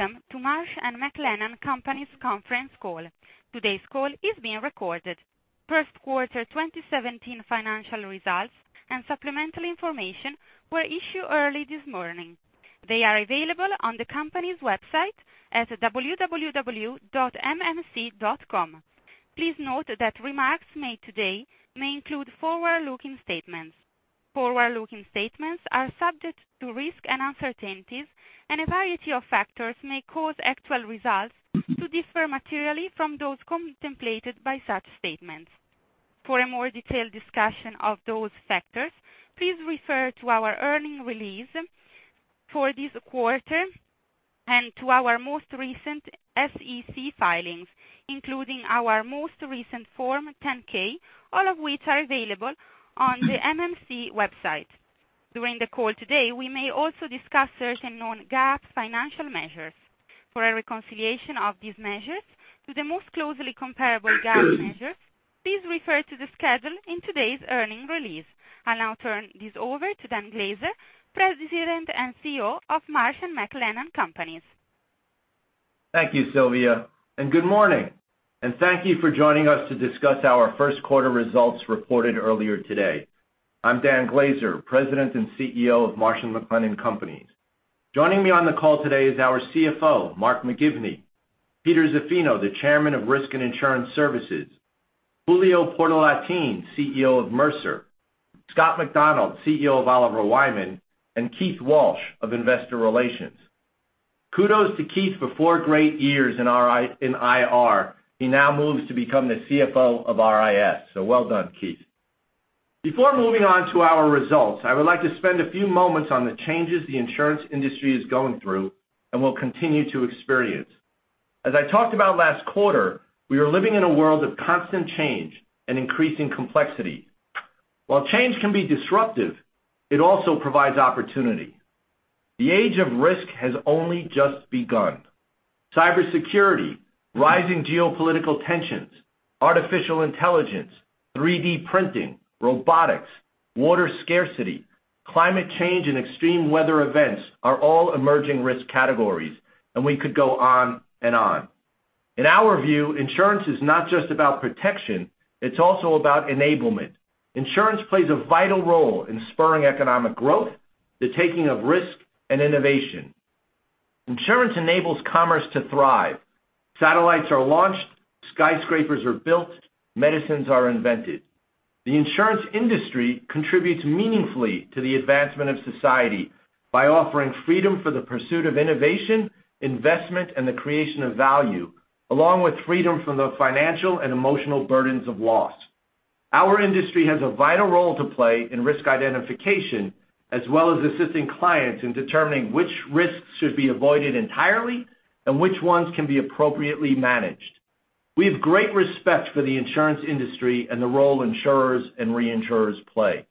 Welcome to Marsh & McLennan Companies conference call. Today's call is being recorded. First quarter 2017 financial results and supplemental information were issued early this morning. They are available on the company's website at www.mmc.com. Please note that remarks made today may include forward-looking statements. A variety of factors may cause actual results to differ materially from those contemplated by such statements. For a more detailed discussion of those factors, please refer to our earnings release for this quarter and to our most recent SEC filings, including our most recent Form 10-K, all of which are available on the MMC website. During the call today, we may also discuss certain non-GAAP financial measures. For a reconciliation of these measures to the most closely comparable GAAP measure, please refer to the schedule in today's earnings release. I'll now turn this over to Dan Glaser, President and CEO of Marsh & McLennan Companies. Thank you, Sylvia. Good morning. Thank you for joining us to discuss our first quarter results reported earlier today. I'm Dan Glaser, President and CEO of Marsh & McLennan Companies. Joining me on the call today is our CFO, Mark McGivney, Peter Zaffino, the Chairman of Risk and Insurance Services, Julio Portalatin, CEO of Mercer, Scott McDonald, CEO of Oliver Wyman, and Keith Walsh of investor relations. Kudos to Keith for four great years in IR. He now moves to become the CFO of RIS. Well done, Keith. Before moving on to our results, I would like to spend a few moments on the changes the insurance industry is going through and will continue to experience. As I talked about last quarter, we are living in a world of constant change and increasing complexity. While change can be disruptive, it also provides opportunity. The age of risk has only just begun. Cybersecurity, rising geopolitical tensions, artificial intelligence, 3D printing, robotics, water scarcity, climate change, and extreme weather events are all emerging risk categories. We could go on and on. In our view, insurance is not just about protection, it's also about enablement. Insurance plays a vital role in spurring economic growth, the taking of risk, and innovation. Insurance enables commerce to thrive. Satellites are launched, skyscrapers are built, medicines are invented. The insurance industry contributes meaningfully to the advancement of society by offering freedom for the pursuit of innovation, investment, and the creation of value, along with freedom from the financial and emotional burdens of loss. Our industry has a vital role to play in risk identification, as well as assisting clients in determining which risks should be avoided entirely and which ones can be appropriately managed. We have great respect for the insurance industry and the role insurers and reinsurers play.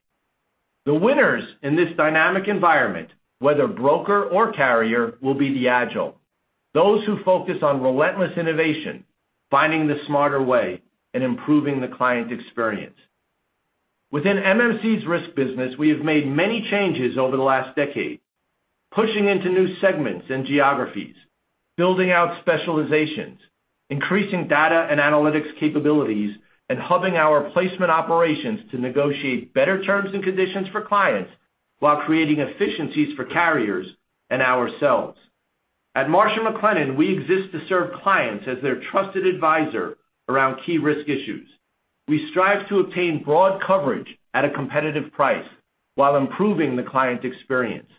The winners in this dynamic environment, whether broker or carrier, will be the agile. Those who focus on relentless innovation, finding the smarter way, and improving the client experience. Within MMC's risk business, we have made many changes over the last decade, pushing into new segments and geographies, building out specializations, increasing data and analytics capabilities, and hubbing our placement operations to negotiate better terms and conditions for clients while creating efficiencies for carriers and ourselves. At Marsh & McLennan, we exist to serve clients as their trusted advisor around key risk issues. We strive to obtain broad coverage at a competitive price while improving the client experience.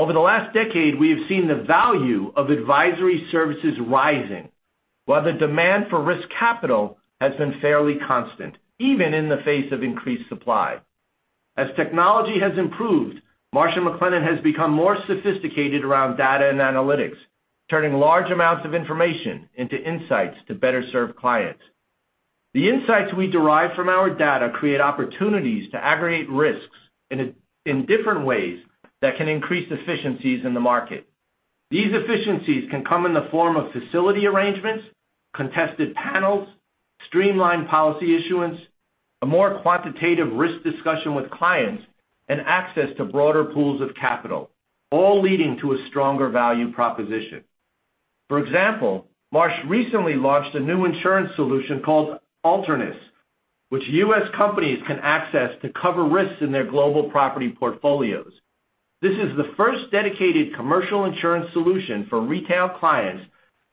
Over the last decade, we have seen the value of advisory services rising, while the demand for risk capital has been fairly constant, even in the face of increased supply. As technology has improved, Marsh & McLennan has become more sophisticated around data and analytics, turning large amounts of information into insights to better serve clients. The insights we derive from our data create opportunities to aggregate risks in different ways that can increase efficiencies in the market. These efficiencies can come in the form of facility arrangements, contested panels, streamlined policy issuance, a more quantitative risk discussion with clients, and access to broader pools of capital, all leading to a stronger value proposition. For example, Marsh recently launched a new insurance solution called Alternus, which U.S. companies can access to cover risks in their global property portfolios. This is the first dedicated commercial insurance solution for retail clients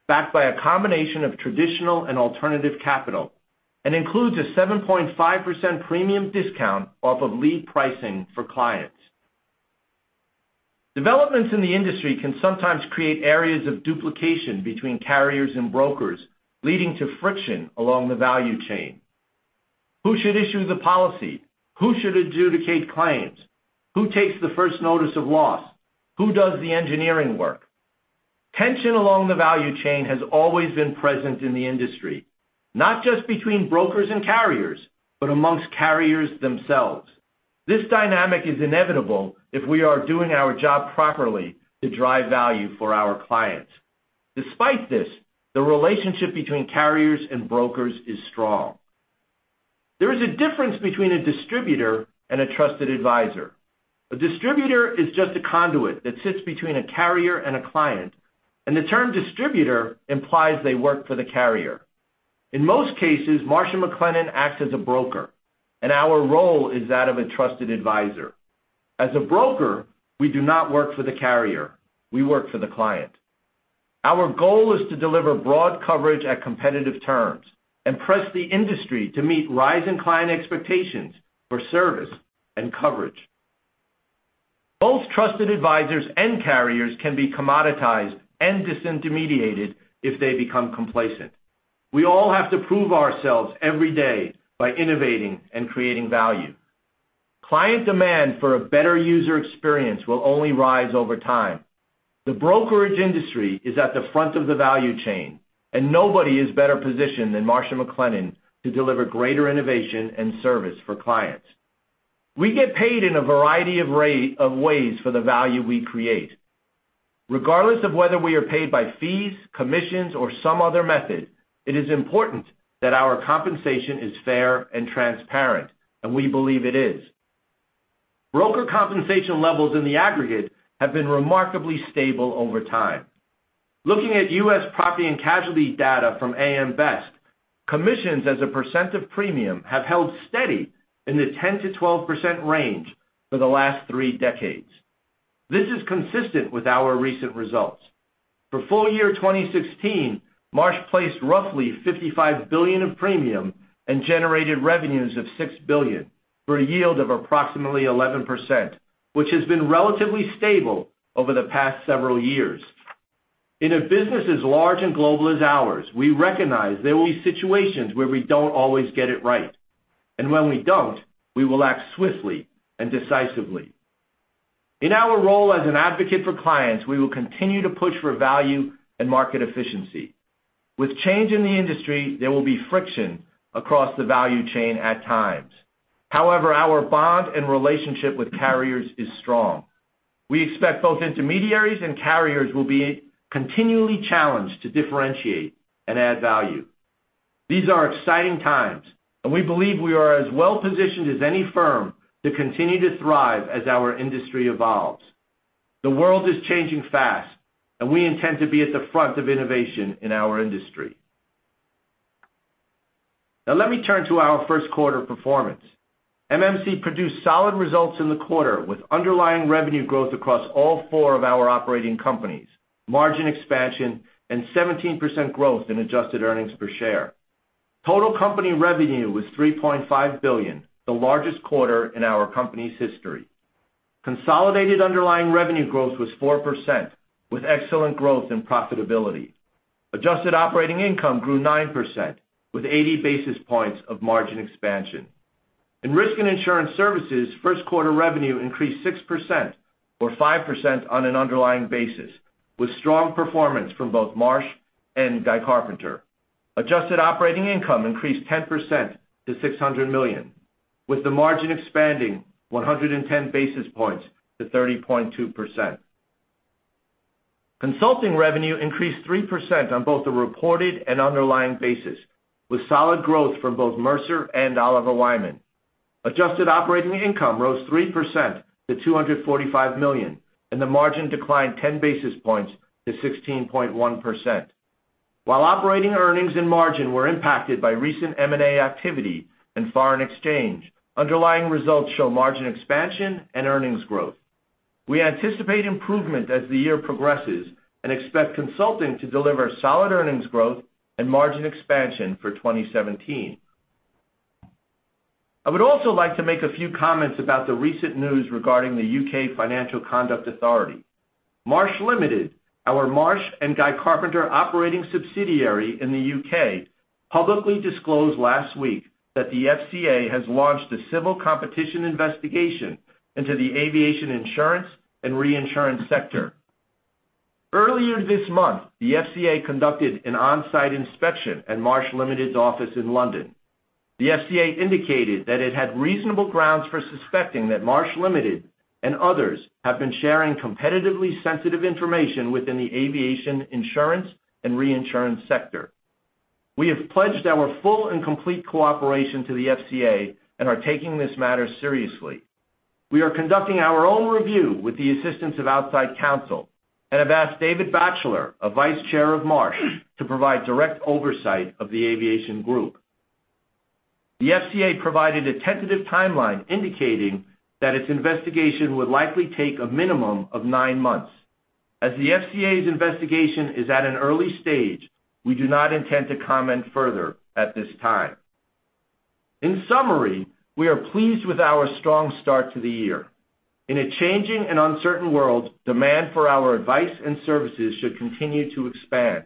backed by a combination of traditional and alternative capital and includes a 7.5% premium discount off of lead pricing for clients. Developments in the industry can sometimes create areas of duplication between carriers and brokers, leading to friction along the value chain. Who should issue the policy? Who should adjudicate claims? Who takes the first notice of loss? Who does the engineering work? Tension along the value chain has always been present in the industry, not just between brokers and carriers, but amongst carriers themselves. This dynamic is inevitable if we are doing our job properly to drive value for our clients. Despite this, the relationship between carriers and brokers is strong. There is a difference between a distributor and a trusted advisor. A distributor is just a conduit that sits between a carrier and a client, and the term distributor implies they work for the carrier. In most cases, Marsh & McLennan acts as a broker, and our role is that of a trusted advisor. As a broker, we do not work for the carrier, we work for the client. Our goal is to deliver broad coverage at competitive terms and press the industry to meet rising client expectations for service and coverage. Both trusted advisors and carriers can be commoditized and disintermediated if they become complacent. We all have to prove ourselves every day by innovating and creating value. Client demand for a better user experience will only rise over time. The brokerage industry is at the front of the value chain, and nobody is better positioned than Marsh & McLennan to deliver greater innovation and service for clients. We get paid in a variety of ways for the value we create. Regardless of whether we are paid by fees, commissions, or some other method, it is important that our compensation is fair and transparent, and we believe it is. Broker compensation levels in the aggregate have been remarkably stable over time. Looking at U.S. property and casualty data from AM Best, commissions as a % of premium have held steady in the 10%-12% range for the last three decades. This is consistent with our recent results. For full year 2016, Marsh placed roughly $55 billion of premium and generated revenues of $6 billion, for a yield of approximately 11%, which has been relatively stable over the past several years. In a business as large and global as ours, we recognize there will be situations where we don't always get it right, and when we don't, we will act swiftly and decisively. In our role as an advocate for clients, we will continue to push for value and market efficiency. With change in the industry, there will be friction across the value chain at times. However, our bond and relationship with carriers is strong. We expect both intermediaries and carriers will be continually challenged to differentiate and add value. These are exciting times, and we believe we are as well positioned as any firm to continue to thrive as our industry evolves. The world is changing fast, and we intend to be at the front of innovation in our industry. Now let me turn to our first quarter performance. MMC produced solid results in the quarter with underlying revenue growth across all four of our operating companies, margin expansion, and 17% growth in adjusted earnings per share. Total company revenue was $3.5 billion, the largest quarter in our company's history. Consolidated underlying revenue growth was 4%, with excellent growth and profitability. Adjusted operating income grew 9%, with 80 basis points of margin expansion. In Risk and Insurance Services, first quarter revenue increased 6%, or 5% on an underlying basis, with strong performance from both Marsh and Guy Carpenter. Adjusted operating income increased 10% to $600 million, with the margin expanding 110 basis points to 30.2%. Consulting revenue increased 3% on both a reported and underlying basis, with solid growth from both Mercer and Oliver Wyman. Adjusted operating income rose 3% to $245 million, and the margin declined 10 basis points to 16.1%. While operating earnings and margin were impacted by recent M&A activity and foreign exchange, underlying results show margin expansion and earnings growth. We anticipate improvement as the year progresses and expect consulting to deliver solid earnings growth and margin expansion for 2017. I would also like to make a few comments about the recent news regarding the U.K. Financial Conduct Authority. Marsh Limited, our Marsh & Guy Carpenter operating subsidiary in the U.K., publicly disclosed last week that the FCA has launched a civil competition investigation into the aviation insurance and reinsurance sector. Earlier this month, the FCA conducted an on-site inspection at Marsh Limited's office in London. The FCA indicated that it had reasonable grounds for suspecting that Marsh Limited and others have been sharing competitively sensitive information within the aviation insurance and reinsurance sector. We have pledged our full and complete cooperation to the FCA and are taking this matter seriously. We are conducting our own review with the assistance of outside counsel and have asked David Batchelor, a vice chair of Marsh, to provide direct oversight of the aviation group. The FCA provided a tentative timeline indicating that its investigation would likely take a minimum of nine months. As the FCA's investigation is at an early stage, we do not intend to comment further at this time. In summary, we are pleased with our strong start to the year. In a changing and uncertain world, demand for our advice and services should continue to expand.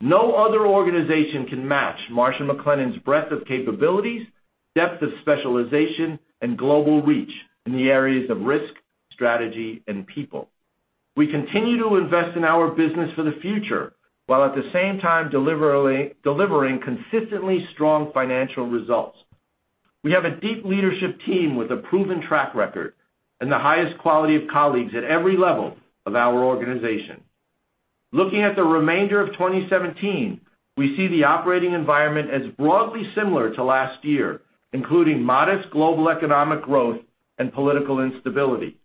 No other organization can match Marsh & McLennan's breadth of capabilities, depth of specialization, and global reach in the areas of risk, strategy, and people. We continue to invest in our business for the future, while at the same time delivering consistently strong financial results. We have a deep leadership team with a proven track record and the highest quality of colleagues at every level of our organization. Looking at the remainder of 2017, we see the operating environment as broadly similar to last year, including modest global economic growth and political instability.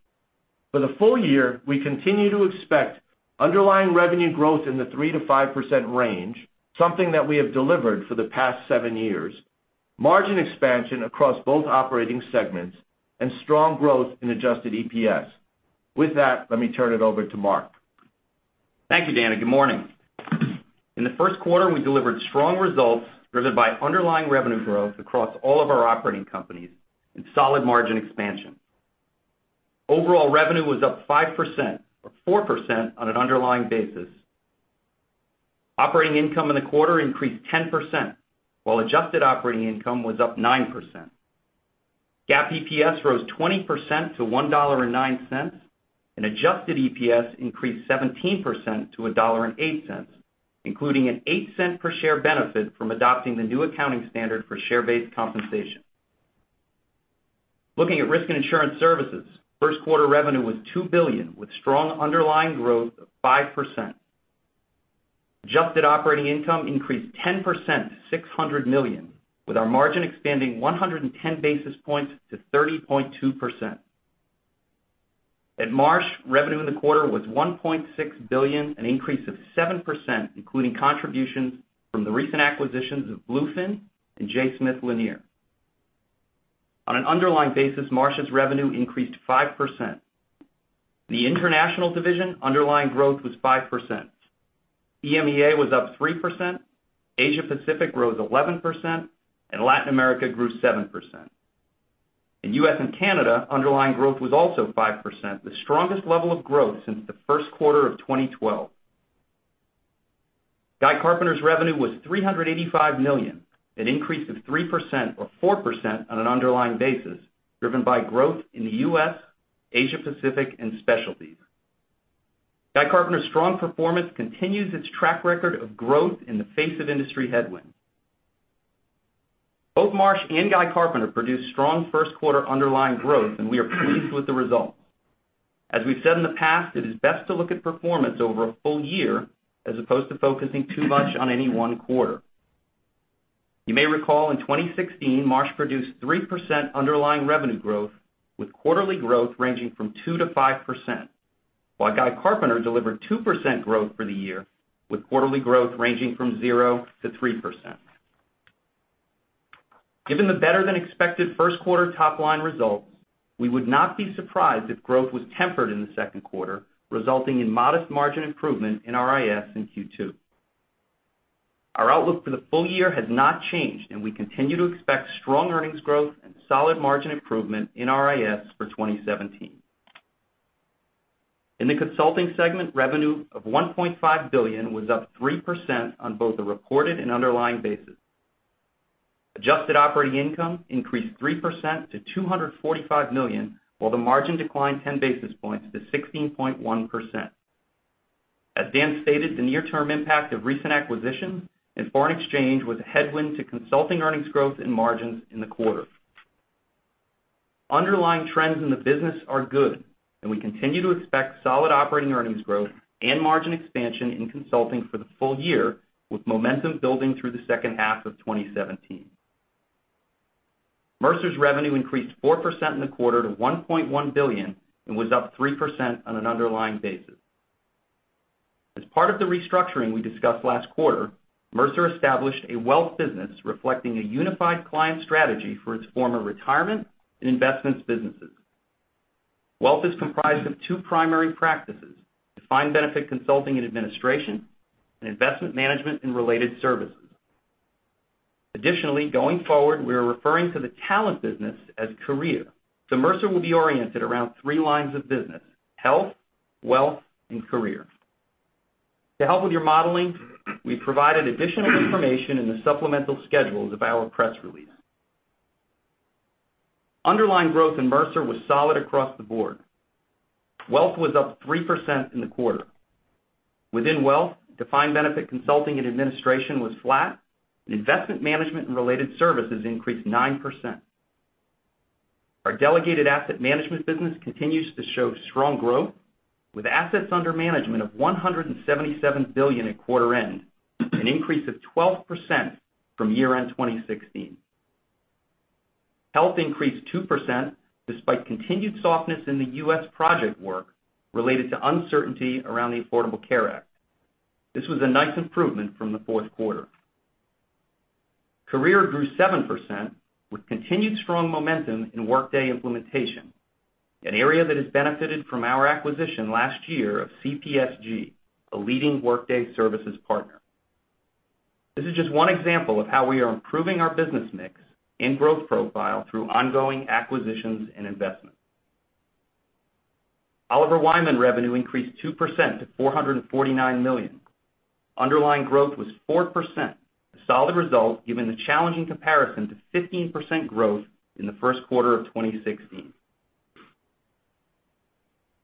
For the full year, we continue to expect underlying revenue growth in the 3%-5% range, something that we have delivered for the past seven years, margin expansion across both operating segments, and strong growth in adjusted EPS. With that, let me turn it over to Mark. Thank you, Dan, and good morning. In the first quarter, we delivered strong results driven by underlying revenue growth across all of our operating companies and solid margin expansion. Overall revenue was up 5%, or 4% on an underlying basis. Operating income in the quarter increased 10%, while adjusted operating income was up 9%. GAAP EPS rose 20% to $1.09, and adjusted EPS increased 17% to $1.08, including an $0.08 per share benefit from adopting the new accounting standard for share-based compensation. Looking at Risk and Insurance Services, first quarter revenue was $2 billion with strong underlying growth of 5%. Adjusted operating income increased 10%, $600 million, with our margin expanding 110 basis points to 30.2%. At Marsh, revenue in the quarter was $1.6 billion, an increase of 7%, including contributions from the recent acquisitions of Bluefin and J. Smith Lanier. On an underlying basis, Marsh's revenue increased 5%. In the international division, underlying growth was 5%. EMEA was up 3%, Asia Pacific rose 11%, and Latin America grew 7%. In U.S. and Canada, underlying growth was also 5%, the strongest level of growth since the first quarter of 2012. Guy Carpenter's revenue was $385 million, an increase of 3%, or 4% on an underlying basis, driven by growth in the U.S., Asia Pacific, and specialties. Guy Carpenter's strong performance continues its track record of growth in the face of industry headwinds. Both Marsh and Guy Carpenter produced strong first quarter underlying growth, and we are pleased with the results. As we've said in the past, it is best to look at performance over a full year as opposed to focusing too much on any one quarter. You may recall in 2016, Marsh produced 3% underlying revenue growth, with quarterly growth ranging from 2%-5%, while Guy Carpenter delivered 2% growth for the year, with quarterly growth ranging from 0%-3%. Given the better than expected first quarter top-line results, we would not be surprised if growth was tempered in the second quarter, resulting in modest margin improvement in RIS in Q2. Our outlook for the full year has not changed, and we continue to expect strong earnings growth and solid margin improvement in RIS for 2017. In the consulting segment, revenue of $1.5 billion was up 3% on both a reported and underlying basis. Adjusted operating income increased 3% to $245 million, while the margin declined 10 basis points to 16.1%. As Dan stated, the near-term impact of recent acquisitions and foreign exchange was a headwind to consulting earnings growth and margins in the quarter. Underlying trends in the business are good, we continue to expect solid operating earnings growth and margin expansion in consulting for the full year, with momentum building through the second half of 2017. Mercer's revenue increased 4% in the quarter to $1.1 billion and was up 3% on an underlying basis. As part of the restructuring we discussed last quarter, Mercer established a Wealth business reflecting a unified client strategy for its former retirement and investments businesses. Wealth is comprised of two primary practices: defined benefit consulting and administration, and investment management and related services. Additionally, going forward, we are referring to the talent business as Career, so Mercer will be oriented around three lines of business, Health, Wealth, and Career. To help with your modeling, we've provided additional information in the supplemental schedules of our press release. Underlying growth in Mercer was solid across the board. Wealth was up 3% in the quarter. Within Wealth, defined benefit consulting and administration was flat, and investment management and related services increased 9%. Our delegated asset management business continues to show strong growth, with assets under management of $177 billion at quarter end, an increase of 12% from year-end 2016. Health increased 2%, despite continued softness in the U.S. project work related to uncertainty around the Affordable Care Act. This was a nice improvement from the fourth quarter. Career grew 7%, with continued strong momentum in Workday implementation, an area that has benefited from our acquisition last year of CPSG, a leading Workday services partner. This is just one example of how we are improving our business mix and growth profile through ongoing acquisitions and investments. Oliver Wyman revenue increased 2% to $449 million. Underlying growth was 4%, a solid result given the challenging comparison to 15% growth in the first quarter of 2016.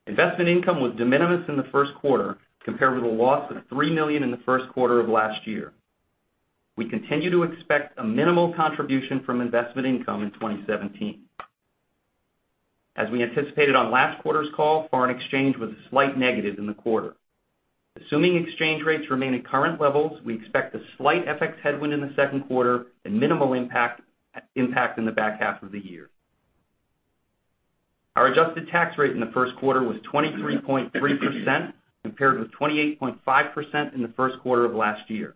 Investment income was de minimis in the first quarter, compared with a loss of $3 million in the first quarter of last year. We continue to expect a minimal contribution from investment income in 2017. As we anticipated on last quarter's call, foreign exchange was a slight negative in the quarter. Assuming exchange rates remain at current levels, we expect a slight FX headwind in the second quarter and minimal impact in the back half of the year. Our adjusted tax rate in the first quarter was 23.3%, compared with 28.5% in the first quarter of last year.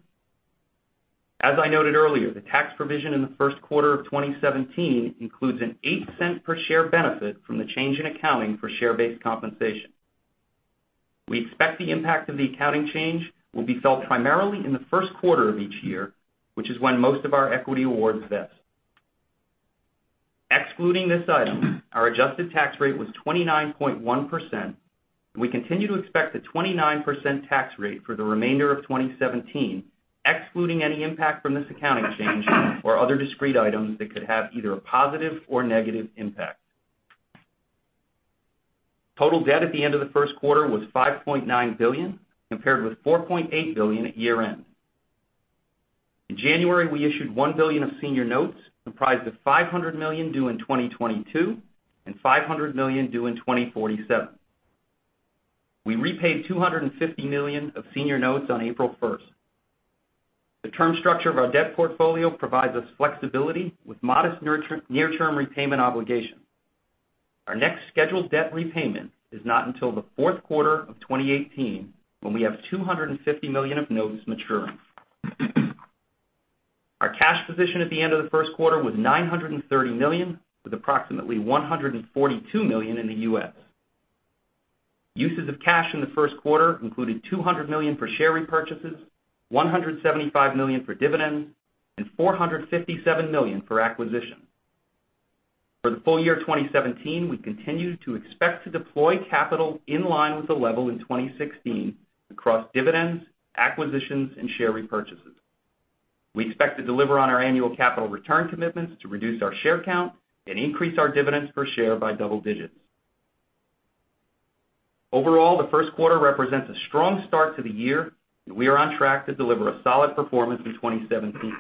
As I noted earlier, the tax provision in the first quarter of 2017 includes an $0.08 per share benefit from the change in accounting for share-based compensation. We expect the impact of the accounting change will be felt primarily in the first quarter of each year, which is when most of our equity awards vest. Excluding this item, our adjusted tax rate was 29.1%, and we continue to expect a 29% tax rate for the remainder of 2017, excluding any impact from this accounting change or other discrete items that could have either a positive or negative impact. Total debt at the end of the first quarter was $5.9 billion, compared with $4.8 billion at year end. In January, we issued $1 billion of senior notes, comprised of $500 million due in 2022 and $500 million due in 2047. We repaid $250 million of senior notes on April 1st. The term structure of our debt portfolio provides us flexibility with modest near-term repayment obligations. Our next scheduled debt repayment is not until the fourth quarter of 2018, when we have $250 million of notes maturing. Our cash position at the end of the first quarter was $930 million, with approximately $142 million in the U.S. Uses of cash in the first quarter included $200 million for share repurchases, $175 million for dividends, and $457 million for acquisition. For the full year 2017, we continue to expect to deploy capital in line with the level in 2016 across dividends, acquisitions, and share repurchases. We expect to deliver on our annual capital return commitments to reduce our share count and increase our dividends per share by double digits. Overall, the first quarter represents a strong start to the year, and we are on track to deliver a solid performance in 2017.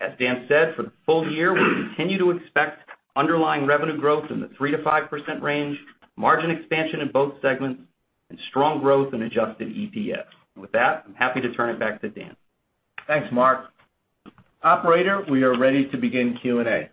As Dan said, for the full year, we continue to expect underlying revenue growth in the 3%-5% range, margin expansion in both segments, and strong growth in adjusted EPS. With that, I'm happy to turn it back to Dan. Thanks, Mark. Operator, we are ready to begin Q&A.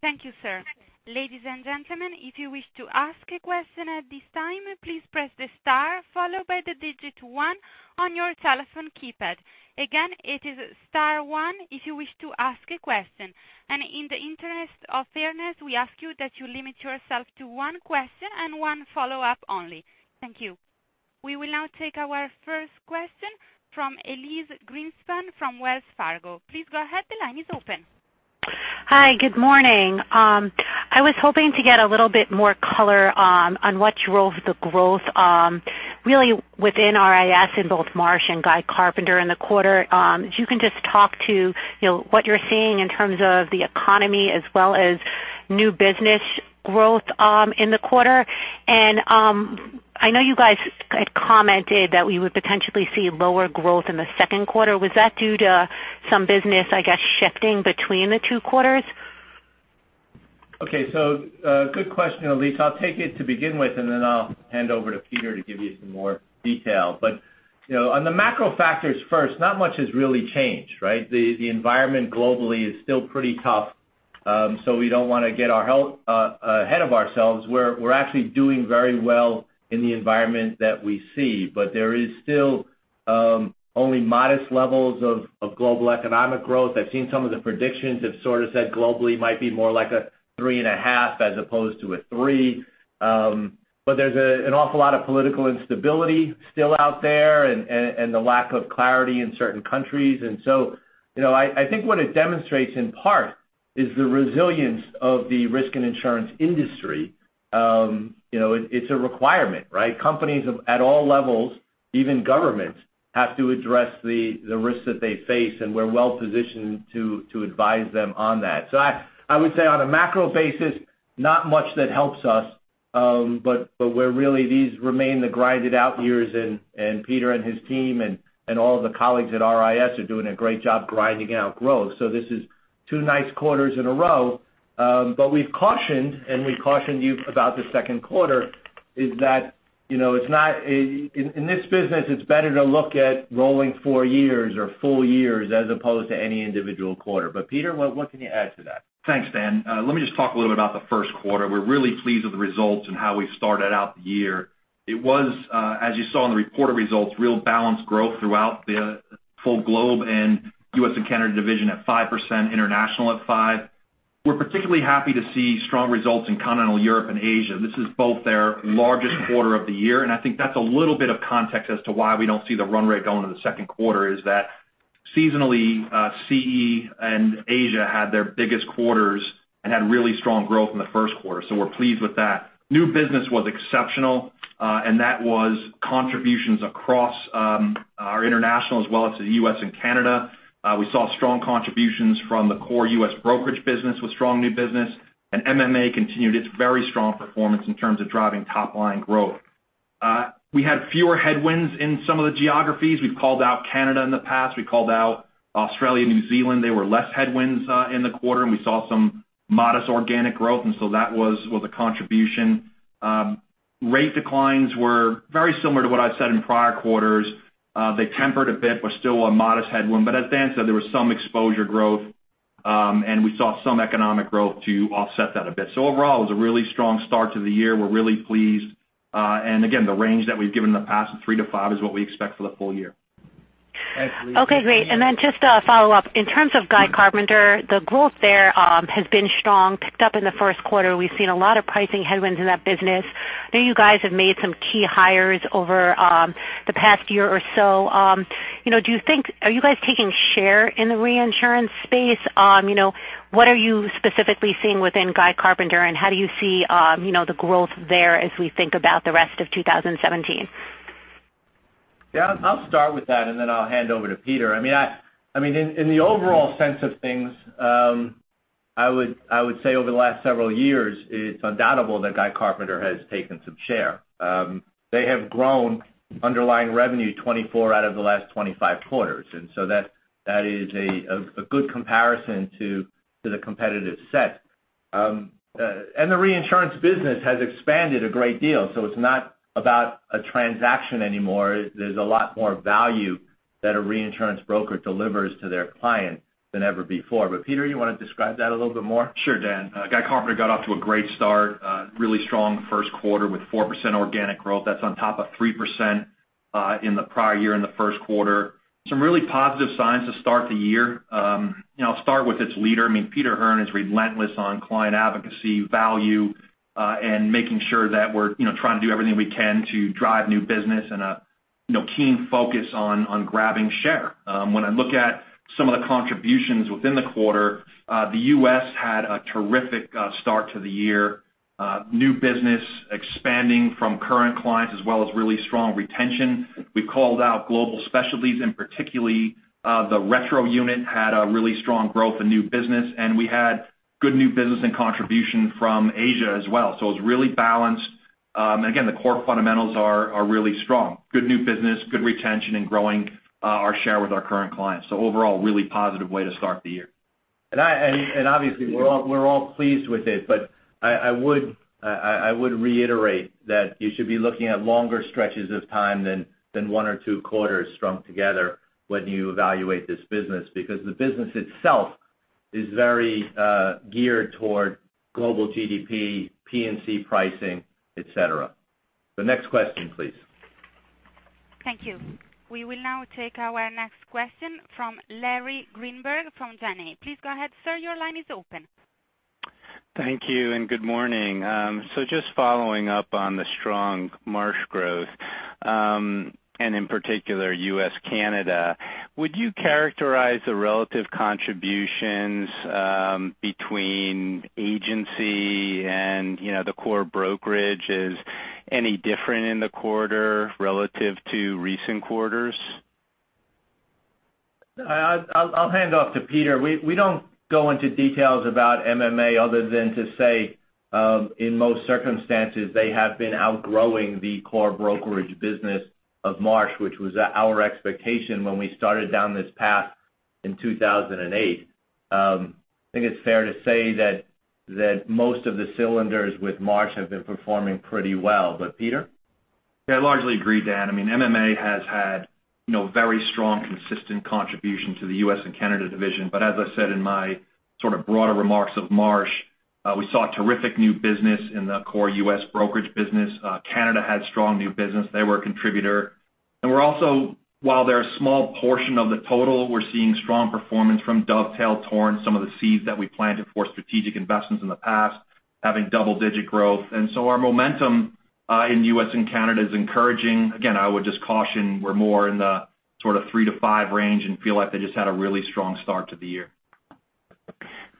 Thank you, sir. Ladies and gentlemen, if you wish to ask a question at this time, please press the star followed by the 1 on your telephone keypad. Again, it is star 1 if you wish to ask a question. In the interest of fairness, we ask you that you limit yourself to 1 question and 1 follow-up only. Thank you. We will now take our 1st question from Elyse Greenspan from Wells Fargo. Please go ahead. The line is open. Hi. Good morning. I was hoping to get a little bit more color on what drove the growth, really within RIS in both Marsh and Guy Carpenter in the quarter. If you can just talk to what you're seeing in terms of the economy as well as new business growth in the quarter. I know you guys had commented that we would potentially see lower growth in the 2nd quarter. Was that due to some business, I guess, shifting between the 2 quarters? Okay. Good question, Elyse. I'll take it to begin with, then I'll hand over to Peter to give you some more detail. On the macro factors first, not much has really changed, right? The environment globally is still pretty tough, we don't want to get ahead of ourselves. We're actually doing very well in the environment that we see, there is still only modest levels of global economic growth. I've seen some of the predictions have sort of said globally might be more like a 3.5 as opposed to a 3. There's an awful lot of political instability still out there and the lack of clarity in certain countries. I think what it demonstrates in part is the resilience of the risk and insurance industry. It's a requirement, right? Companies at all levels, even governments, have to address the risks that they face, we're well positioned to advise them on that. I would say on a macro basis, not much that helps us. Where really these remain the grind-it-out years, Peter and his team and all the colleagues at RIS are doing a great job grinding out growth. This is 2 nice quarters in a row. We've cautioned, and we cautioned you about the 2nd quarter, is that in this business, it's better to look at rolling 4 years or full years as opposed to any individual quarter. Peter, what can you add to that? Thanks, Dan. Let me just talk a little bit about the first quarter. We're really pleased with the results and how we started out the year. It was, as you saw in the reported results, real balanced growth throughout the full globe in U.S. and Canada division at 5%, international at 5%. We're particularly happy to see strong results in Continental Europe and Asia. This is both their largest quarter of the year, and I think that's a little bit of context as to why we don't see the run rate going in the second quarter is that seasonally, CE and Asia had their biggest quarters and had really strong growth in the first quarter. We're pleased with that. New business was exceptional, and that was contributions across our international as well as the U.S. and Canada. We saw strong contributions from the core U.S. brokerage business with strong new business. MMA continued its very strong performance in terms of driving top-line growth. We had fewer headwinds in some of the geographies. We've called out Canada in the past. We called out Australia, New Zealand. They were less headwinds in the quarter, and we saw some modest organic growth. That was a contribution. Rate declines were very similar to what I've said in prior quarters. They tempered a bit, but still a modest headwind. As Dan said, there was some exposure growth, and we saw some economic growth to offset that a bit. Overall, it was a really strong start to the year. We're really pleased. Again, the range that we've given in the past of 3%-5% is what we expect for the full year. Thanks, Peter. Okay, great. Just a follow-up. In terms of Guy Carpenter, the growth there has been strong, picked up in the first quarter. We've seen a lot of pricing headwinds in that business. I know you guys have made some key hires over the past year or so. Are you guys taking share in the reinsurance space? What are you specifically seeing within Guy Carpenter, and how do you see the growth there as we think about the rest of 2017? Yeah, I'll start with that, then I'll hand over to Peter. In the overall sense of things, I would say over the last several years, it's undoubtable that Guy Carpenter has taken some share. They have grown underlying revenue 24 out of the last 25 quarters. That is a good comparison to the competitive set. The reinsurance business has expanded a great deal. It's not about a transaction anymore. There's a lot more value that a reinsurance broker delivers to their client than ever before. Peter, you want to describe that a little bit more? Sure, Dan. Guy Carpenter got off to a great start. Really strong first quarter with 4% organic growth. That's on top of 3% in the prior year in the first quarter. Some really positive signs to start the year. I'll start with its leader. Peter Hearn is relentless on client advocacy, value, and making sure that we're trying to do everything we can to drive new business, and a keen focus on grabbing share. When I look at some of the contributions within the quarter, the U.S. had a terrific start to the year. New business expanding from current clients as well as really strong retention. We called out global specialties, and particularly the retro unit had a really strong growth in new business, and we had good new business and contribution from Asia as well. It's really balanced. Again, the core fundamentals are really strong. Good new business, good retention, and growing our share with our current clients. Overall, really positive way to start the year. Obviously, we're all pleased with it, but I would reiterate that you should be looking at longer stretches of time than one or two quarters strung together when you evaluate this business because the business itself is very geared toward global GDP, P&C pricing, et cetera. The next question, please. Thank you. We will now take our next question from Larry Greenberg from Janney. Please go ahead, sir. Your line is open. Thank you, and good morning. Just following up on the strong Marsh growth, and in particular, U.S., Canada. Would you characterize the relative contributions between agency and the core brokerage as any different in the quarter relative to recent quarters? I'll hand off to Peter. We don't go into details about MMA other than to say, in most circumstances, they have been outgrowing the core brokerage business of Marsh, which was our expectation when we started down this path in 2008. I think it's fair to say that most of the cylinders with Marsh have been performing pretty well. Peter? I largely agree, Dan. MMA has had very strong, consistent contribution to the U.S. and Canada division. As I said in my broader remarks of Marsh, we saw terrific new business in the core U.S. brokerage business. Canada had strong new business. They were a contributor. We're also, while they're a small portion of the total, we're seeing strong performance from Dovetail, Torin, some of the seeds that we planted for strategic investments in the past, having double-digit growth. Our momentum in U.S. and Canada is encouraging. Again, I would just caution we're more in the three to five range and feel like they just had a really strong start to the year.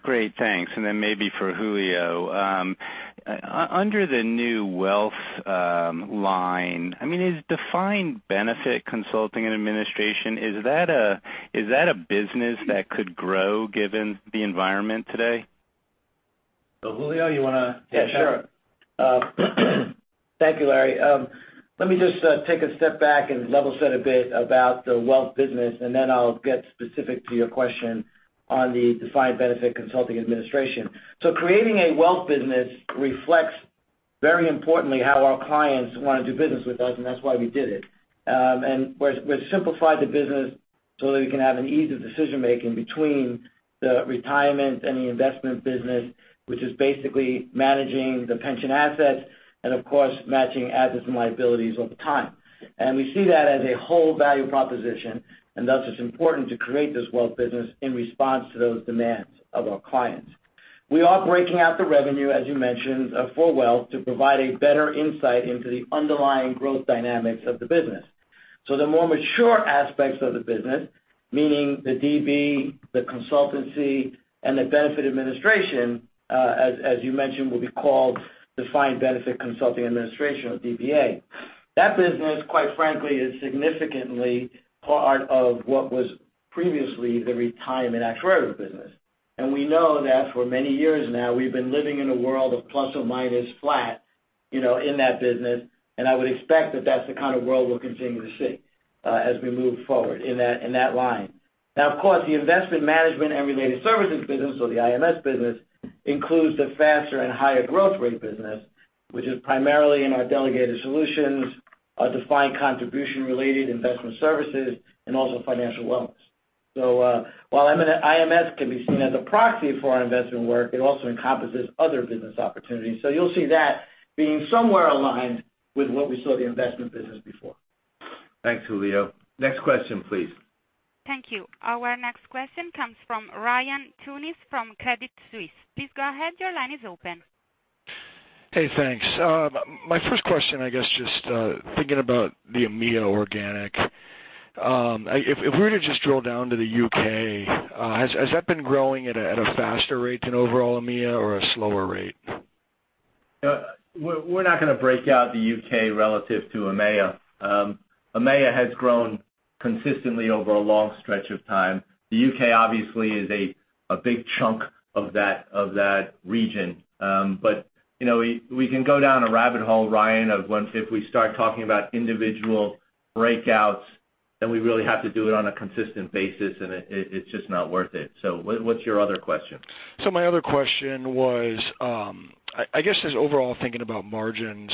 Great, thanks. Maybe for Julio. Under the new Wealth line, is Defined Benefit Consulting Administration, is that a business that could grow given the environment today? Julio, you want to take that? Yeah, sure. Thank you, Larry. Let me just take a step back and level set a bit about the Wealth business, and then I'll get specific to your question on the Defined Benefit Consulting Administration. Creating a Wealth business reflects very importantly how our clients want to do business with us, and that's why we did it. We've simplified the business so that we can have an ease of decision-making between the retirement and the investment business, which is basically managing the pension assets and of course, matching assets and liabilities over time. We see that as a whole value proposition, and thus it's important to create this Wealth business in response to those demands of our clients. We are breaking out the revenue, as you mentioned, for Wealth to provide a better insight into the underlying growth dynamics of the business. The more mature aspects of the business, meaning the DB, the consultancy, and the benefit administration, as you mentioned, will be called Defined Benefit Consulting Administration or DBA. That business, quite frankly, is significantly part of what was previously the retirement actuary business. We know that for many years now, we've been living in a world of ± flat in that business, and I would expect that that's the kind of world we'll continue to see as we move forward in that line. Now, of course, the investment management and related services business, so the IMS business, includes the faster and higher growth rate business, which is primarily in our delegated solutions, our Defined Contribution-related investment services, and also financial wellness. While IMS can be seen as a proxy for our investment work, it also encompasses other business opportunities. You'll see that being somewhere aligned with what we saw the investment business before. Thanks, Julio. Next question, please. Thank you. Our next question comes from Ryan Tunis from Credit Suisse. Please go ahead. Your line is open. Hey, thanks. My first question, I guess, just thinking about the EMEA organic. If we were to just drill down to the U.K., has that been growing at a faster rate than overall EMEA or a slower rate? We're not going to break out the U.K. relative to EMEA. EMEA has grown consistently over a long stretch of time. The U.K. obviously is a big chunk of that region. We can go down a rabbit hole, Ryan, of if we start talking about individual breakouts, then we really have to do it on a consistent basis, and it's just not worth it. What's your other question? My other question was, I guess, just overall thinking about margins.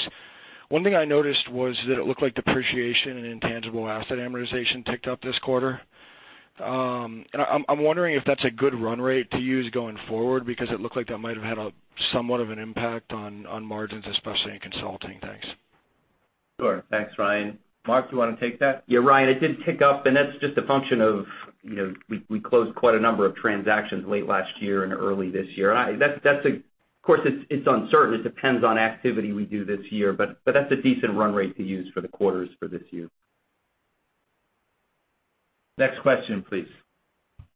One thing I noticed was that it looked like depreciation and intangible asset amortization ticked up this quarter. I'm wondering if that's a good run rate to use going forward because it looked like that might have had somewhat of an impact on margins, especially in consulting. Thanks. Sure. Thanks, Ryan. Mark, do you want to take that? Yeah, Ryan, it did tick up, and that's just a function of we closed quite a number of transactions late last year and early this year. Of course, it's uncertain. It depends on activity we do this year, but that's a decent run rate to use for the quarters for this year. Next question, please.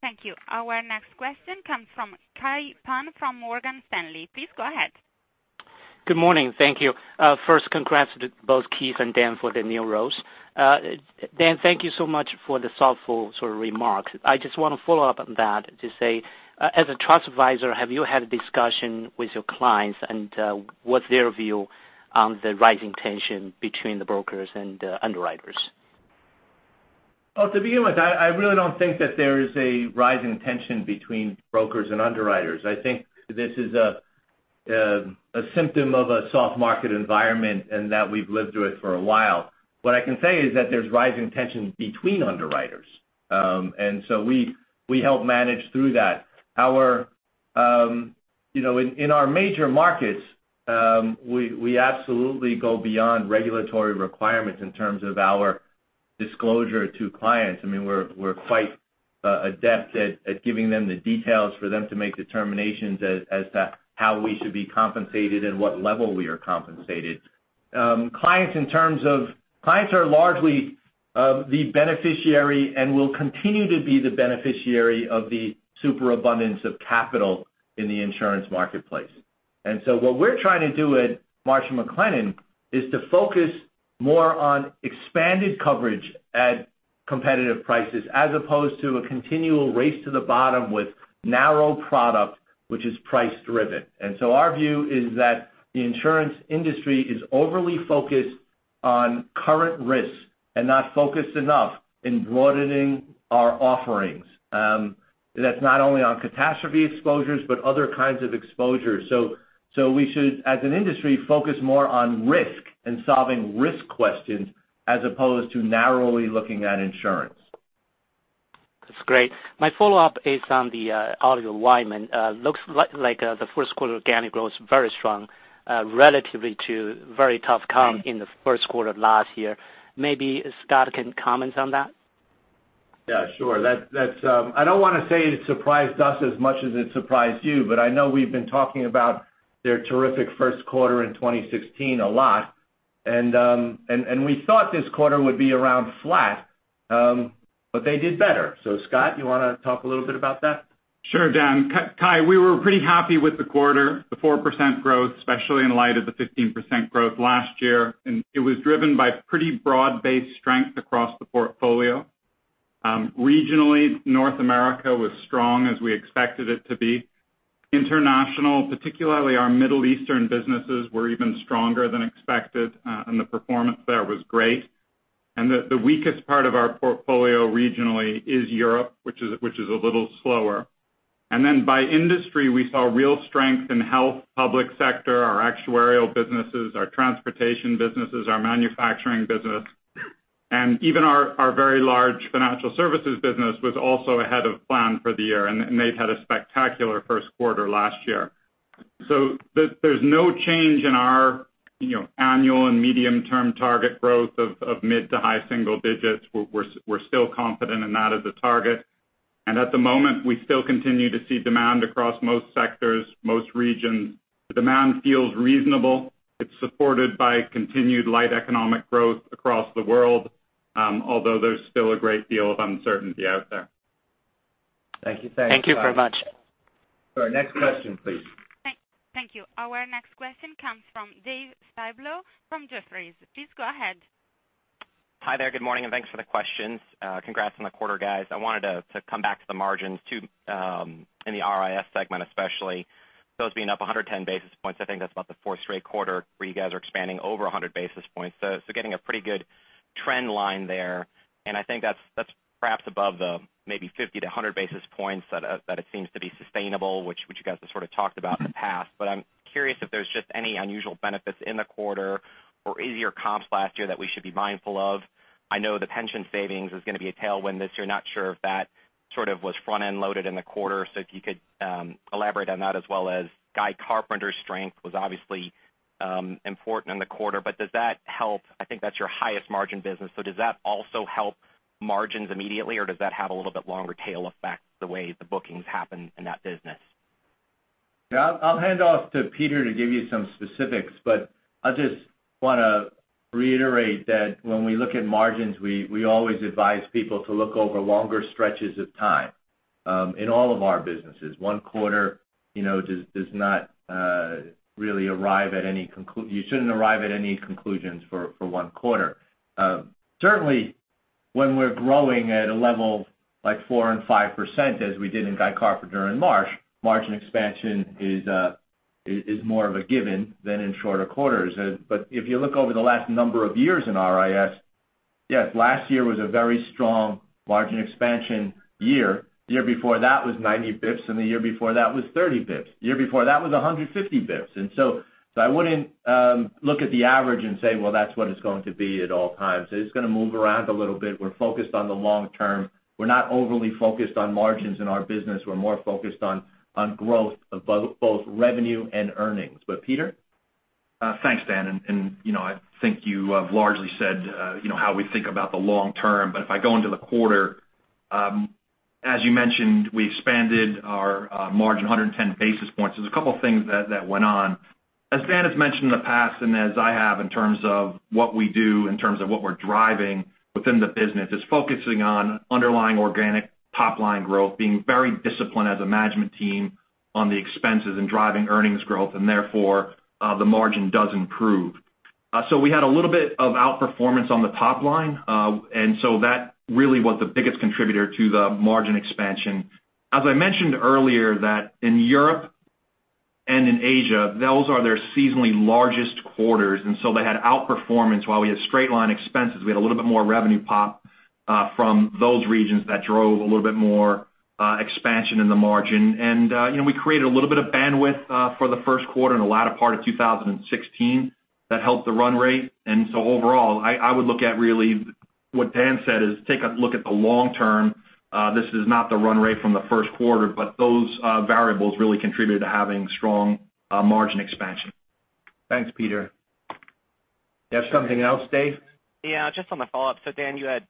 Thank you. Our next question comes from Kai Pan from Morgan Stanley. Please go ahead. Good morning. Thank you. First, congrats to both Keith and Dan for the new roles. Dan, thank you so much for the thoughtful remarks. I just want to follow up on that to say, as a trusted advisor, have you had a discussion with your clients, and what's their view on the rising tension between the brokers and underwriters? Well, to begin with, I really don't think that there is a rising tension between brokers and underwriters. I think this is a symptom of a soft market environment and that we've lived through it for a while. What I can say is that there's rising tension between underwriters. We help manage through that. In our major markets, we absolutely go beyond regulatory requirements in terms of our disclosure to clients. We're quite adept at giving them the details for them to make determinations as to how we should be compensated and what level we are compensated. Clients are largely the beneficiary and will continue to be the beneficiary of the super abundance of capital in the insurance marketplace. What we're trying to do at Marsh & McLennan is to focus more on expanded coverage at competitive prices, as opposed to a continual race to the bottom with narrow product, which is price-driven. Our view is that the insurance industry is overly focused on current risks and not focused enough in broadening our offerings, not only on catastrophe exposures, but other kinds of exposures. We should, as an industry, focus more on risk and solving risk questions as opposed to narrowly looking at insurance. That's great. My follow-up is on the Oliver Wyman. Looks like the first quarter organic growth is very strong relatively to very tough comp in the first quarter last year. Maybe Scott can comment on that? Yeah, sure. I don't want to say it surprised us as much as it surprised you, but I know we've been talking about their terrific first quarter in 2016 a lot. We thought this quarter would be around flat, but they did better. Scott, you want to talk a little bit about that? Sure, Dan. Kai, we were pretty happy with the quarter, the 4% growth, especially in light of the 15% growth last year. It was driven by pretty broad-based strength across the portfolio. Regionally, North America was strong as we expected it to be. International, particularly our Middle Eastern businesses, were even stronger than expected, and the performance there was great. The weakest part of our portfolio regionally is Europe, which is a little slower. Then by industry, we saw real strength in health, public sector, our actuarial businesses, our transportation businesses, our manufacturing business. Even our very large financial services business was also ahead of plan for the year, and they'd had a spectacular first quarter last year. There's no change in our annual and medium-term target growth of mid to high single digits. We're still confident in that as a target. At the moment, we still continue to see demand across most sectors, most regions. The demand feels reasonable. It's supported by continued light economic growth across the world. Although there's still a great deal of uncertainty out there. Thank you. Thank you very much. All right. Next question, please. Thank you. Our next question comes from Dave Styblo from Jefferies. Please go ahead. Hi there. Good morning, and thanks for the questions. Congrats on the quarter, guys. I wanted to come back to the margins too, in the RIS segment, especially. Those being up 110 basis points, I think that's about the fourth straight quarter where you guys are expanding over 100 basis points. Getting a pretty good trend line there. I think that's perhaps above the maybe 50 to 100 basis points that it seems to be sustainable, which you guys have sort of talked about in the past. I'm curious if there's just any unusual benefits in the quarter or easier comps last year that we should be mindful of. I know the pension savings is going to be a tailwind this year. Not sure if that sort of was front-end loaded in the quarter. If you could elaborate on that as well as Guy Carpenter's strength was obviously important in the quarter. Does that help? I think that's your highest margin business, does that also help margins immediately, or does that have a little bit longer tail effect the way the bookings happen in that business? Yeah, I'll hand off to Peter to give you some specifics, I just want to reiterate that when we look at margins, we always advise people to look over longer stretches of time in all of our businesses. One quarter, you shouldn't arrive at any conclusions for one quarter. Certainly, when we're growing at a level like 4% and 5%, as we did in Guy Carpenter in Marsh, margin expansion is more of a given than in shorter quarters. If you look over the last number of years in RIS, yes, last year was a very strong margin expansion year. The year before that was 90 basis points, and the year before that was 30 basis points. The year before that was 150 basis points. I wouldn't look at the average and say, "Well, that's what it's going to be at all times." It's going to move around a little bit. We're focused on the long term. We're not overly focused on margins in our business. We're more focused on growth of both revenue and earnings. Peter? Thanks, Dan, I think you have largely said how we think about the long term. If I go into the quarter, as you mentioned, we expanded our margin 110 basis points. There's a two things that went on. As Dan has mentioned in the past, and as I have in terms of what we do, in terms of what we're driving within the business, is focusing on underlying organic top-line growth, being very disciplined as a management team on the expenses and driving earnings growth, and therefore, the margin does improve. We had a little bit of outperformance on the top line. That really was the biggest contributor to the margin expansion. As I mentioned earlier, that in Europe and in Asia, those are their seasonally largest quarters, they had outperformance while we had straight-line expenses. We had a little bit more revenue pop from those regions that drove a little bit more expansion in the margin. We created a little bit of bandwidth for the first quarter in the latter part of 2016 that helped the run rate. Overall, I would look at really what Dan said, is take a look at the long term. This is not the run rate from the first quarter, those variables really contributed to having strong margin expansion. Thanks, Peter. You have something else, Dave? Yeah, just on the follow-up. Dan, you had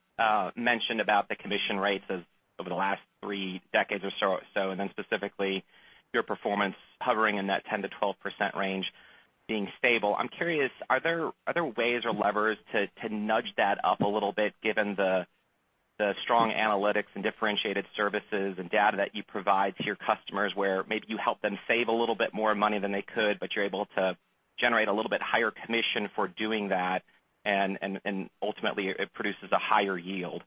mentioned about the commission rates over the last 3 decades or so, and then specifically your performance hovering in that 10%-12% range being stable. I'm curious, are there ways or levers to nudge that up a little bit, given the strong analytics and differentiated services and data that you provide to your customers, where maybe you help them save a little bit more money than they could, but you're able to generate a little bit higher commission for doing that, and ultimately it produces a higher yield?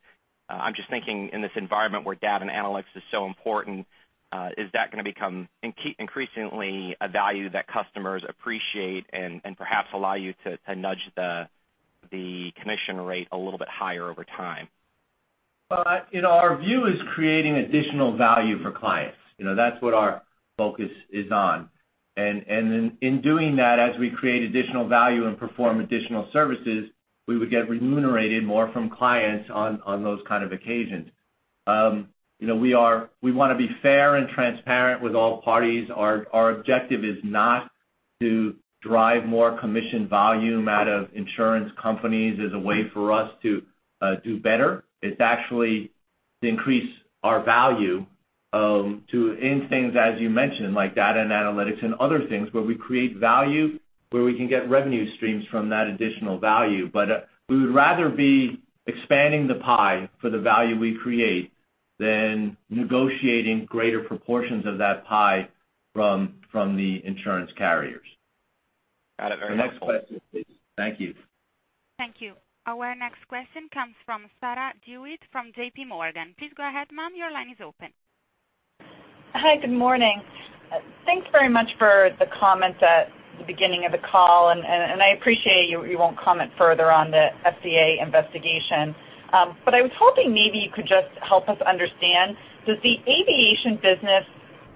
I'm just thinking in this environment where data and analytics is so important, is that going to become increasingly a value that customers appreciate and perhaps allow you to nudge the commission rate a little bit higher over time? Our view is creating additional value for clients. That's what our focus is on. In doing that, as we create additional value and perform additional services, we would get remunerated more from clients on those kind of occasions. We want to be fair and transparent with all parties. Our objective is not to drive more commission volume out of insurance companies as a way for us to do better. It's actually to increase our value in things as you mentioned, like data and analytics and other things, where we create value, where we can get revenue streams from that additional value. We would rather be expanding the pie for the value we create than negotiating greater proportions of that pie from the insurance carriers. Got it. Very helpful. The next question, please. Thank you. Thank you. Our next question comes from Sarah DeWitt from J.P. Morgan. Please go ahead, ma'am. Your line is open. Hi. Good morning. Thanks very much for the comments at the beginning of the call. I appreciate you won't comment further on the FCA investigation. I was hoping maybe you could just help us understand, does the aviation business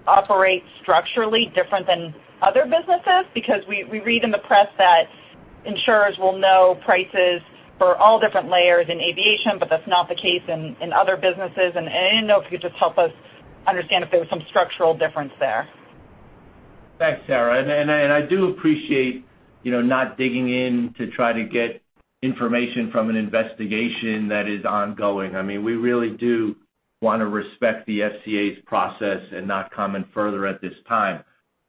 operate structurally different than other businesses? Because we read in the press that insurers will know prices for all different layers in aviation, but that's not the case in other businesses. I didn't know if you could just help us understand if there was some structural difference there. Thanks, Sarah. I do appreciate not digging in to try to get information from an investigation that is ongoing. We really do want to respect the FCA's process and not comment further at this time.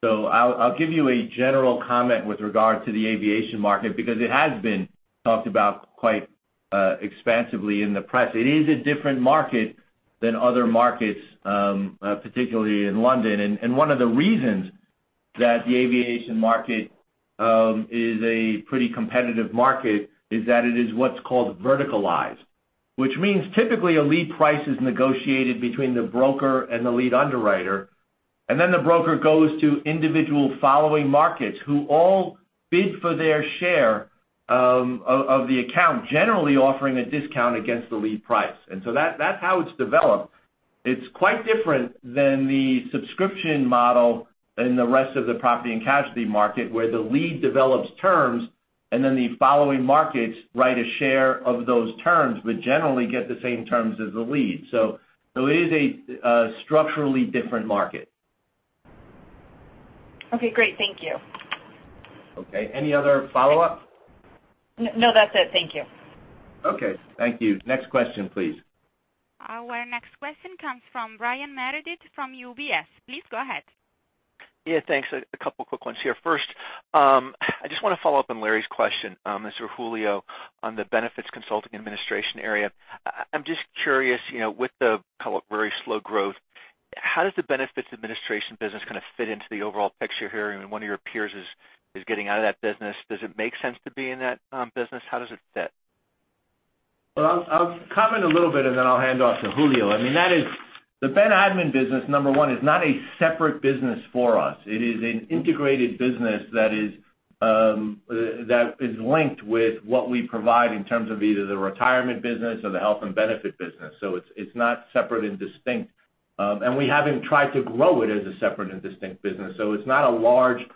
I'll give you a general comment with regard to the aviation market because it has been talked about quite expansively in the press. It is a different market than other markets, particularly in London. One of the reasons That the aviation market is a pretty competitive market is that it is what's called verticalized. Which means typically a lead price is negotiated between the broker and the lead underwriter, and then the broker goes to individual following markets who all bid for their share of the account, generally offering a discount against the lead price. That's how it's developed. It's quite different than the subscription model in the rest of the property and casualty market, where the lead develops terms and then the following markets write a share of those terms, but generally get the same terms as the lead. It is a structurally different market. Okay, great. Thank you. Okay. Any other follow-up? No, that's it. Thank you. Okay, thank you. Next question, please. Our next question comes from Brian Meredith from UBS. Please go ahead. Yeah, thanks. A couple quick ones here. First, I just want to follow up on Larry's question, this for Julio, on the benefits consulting administration area. I'm just curious, with the very slow growth, how does the benefits administration business kind of fit into the overall picture here? I mean, one of your peers is getting out of that business. Does it make sense to be in that business? How does it fit? Well, I'll comment a little bit and then I'll hand off to Julio. The ben admin business, number 1, is not a separate business for us. It is an integrated business that is linked with what we provide in terms of either the retirement business or the health and benefit business. It's not separate and distinct. We haven't tried to grow it as a separate and distinct business. It's not a large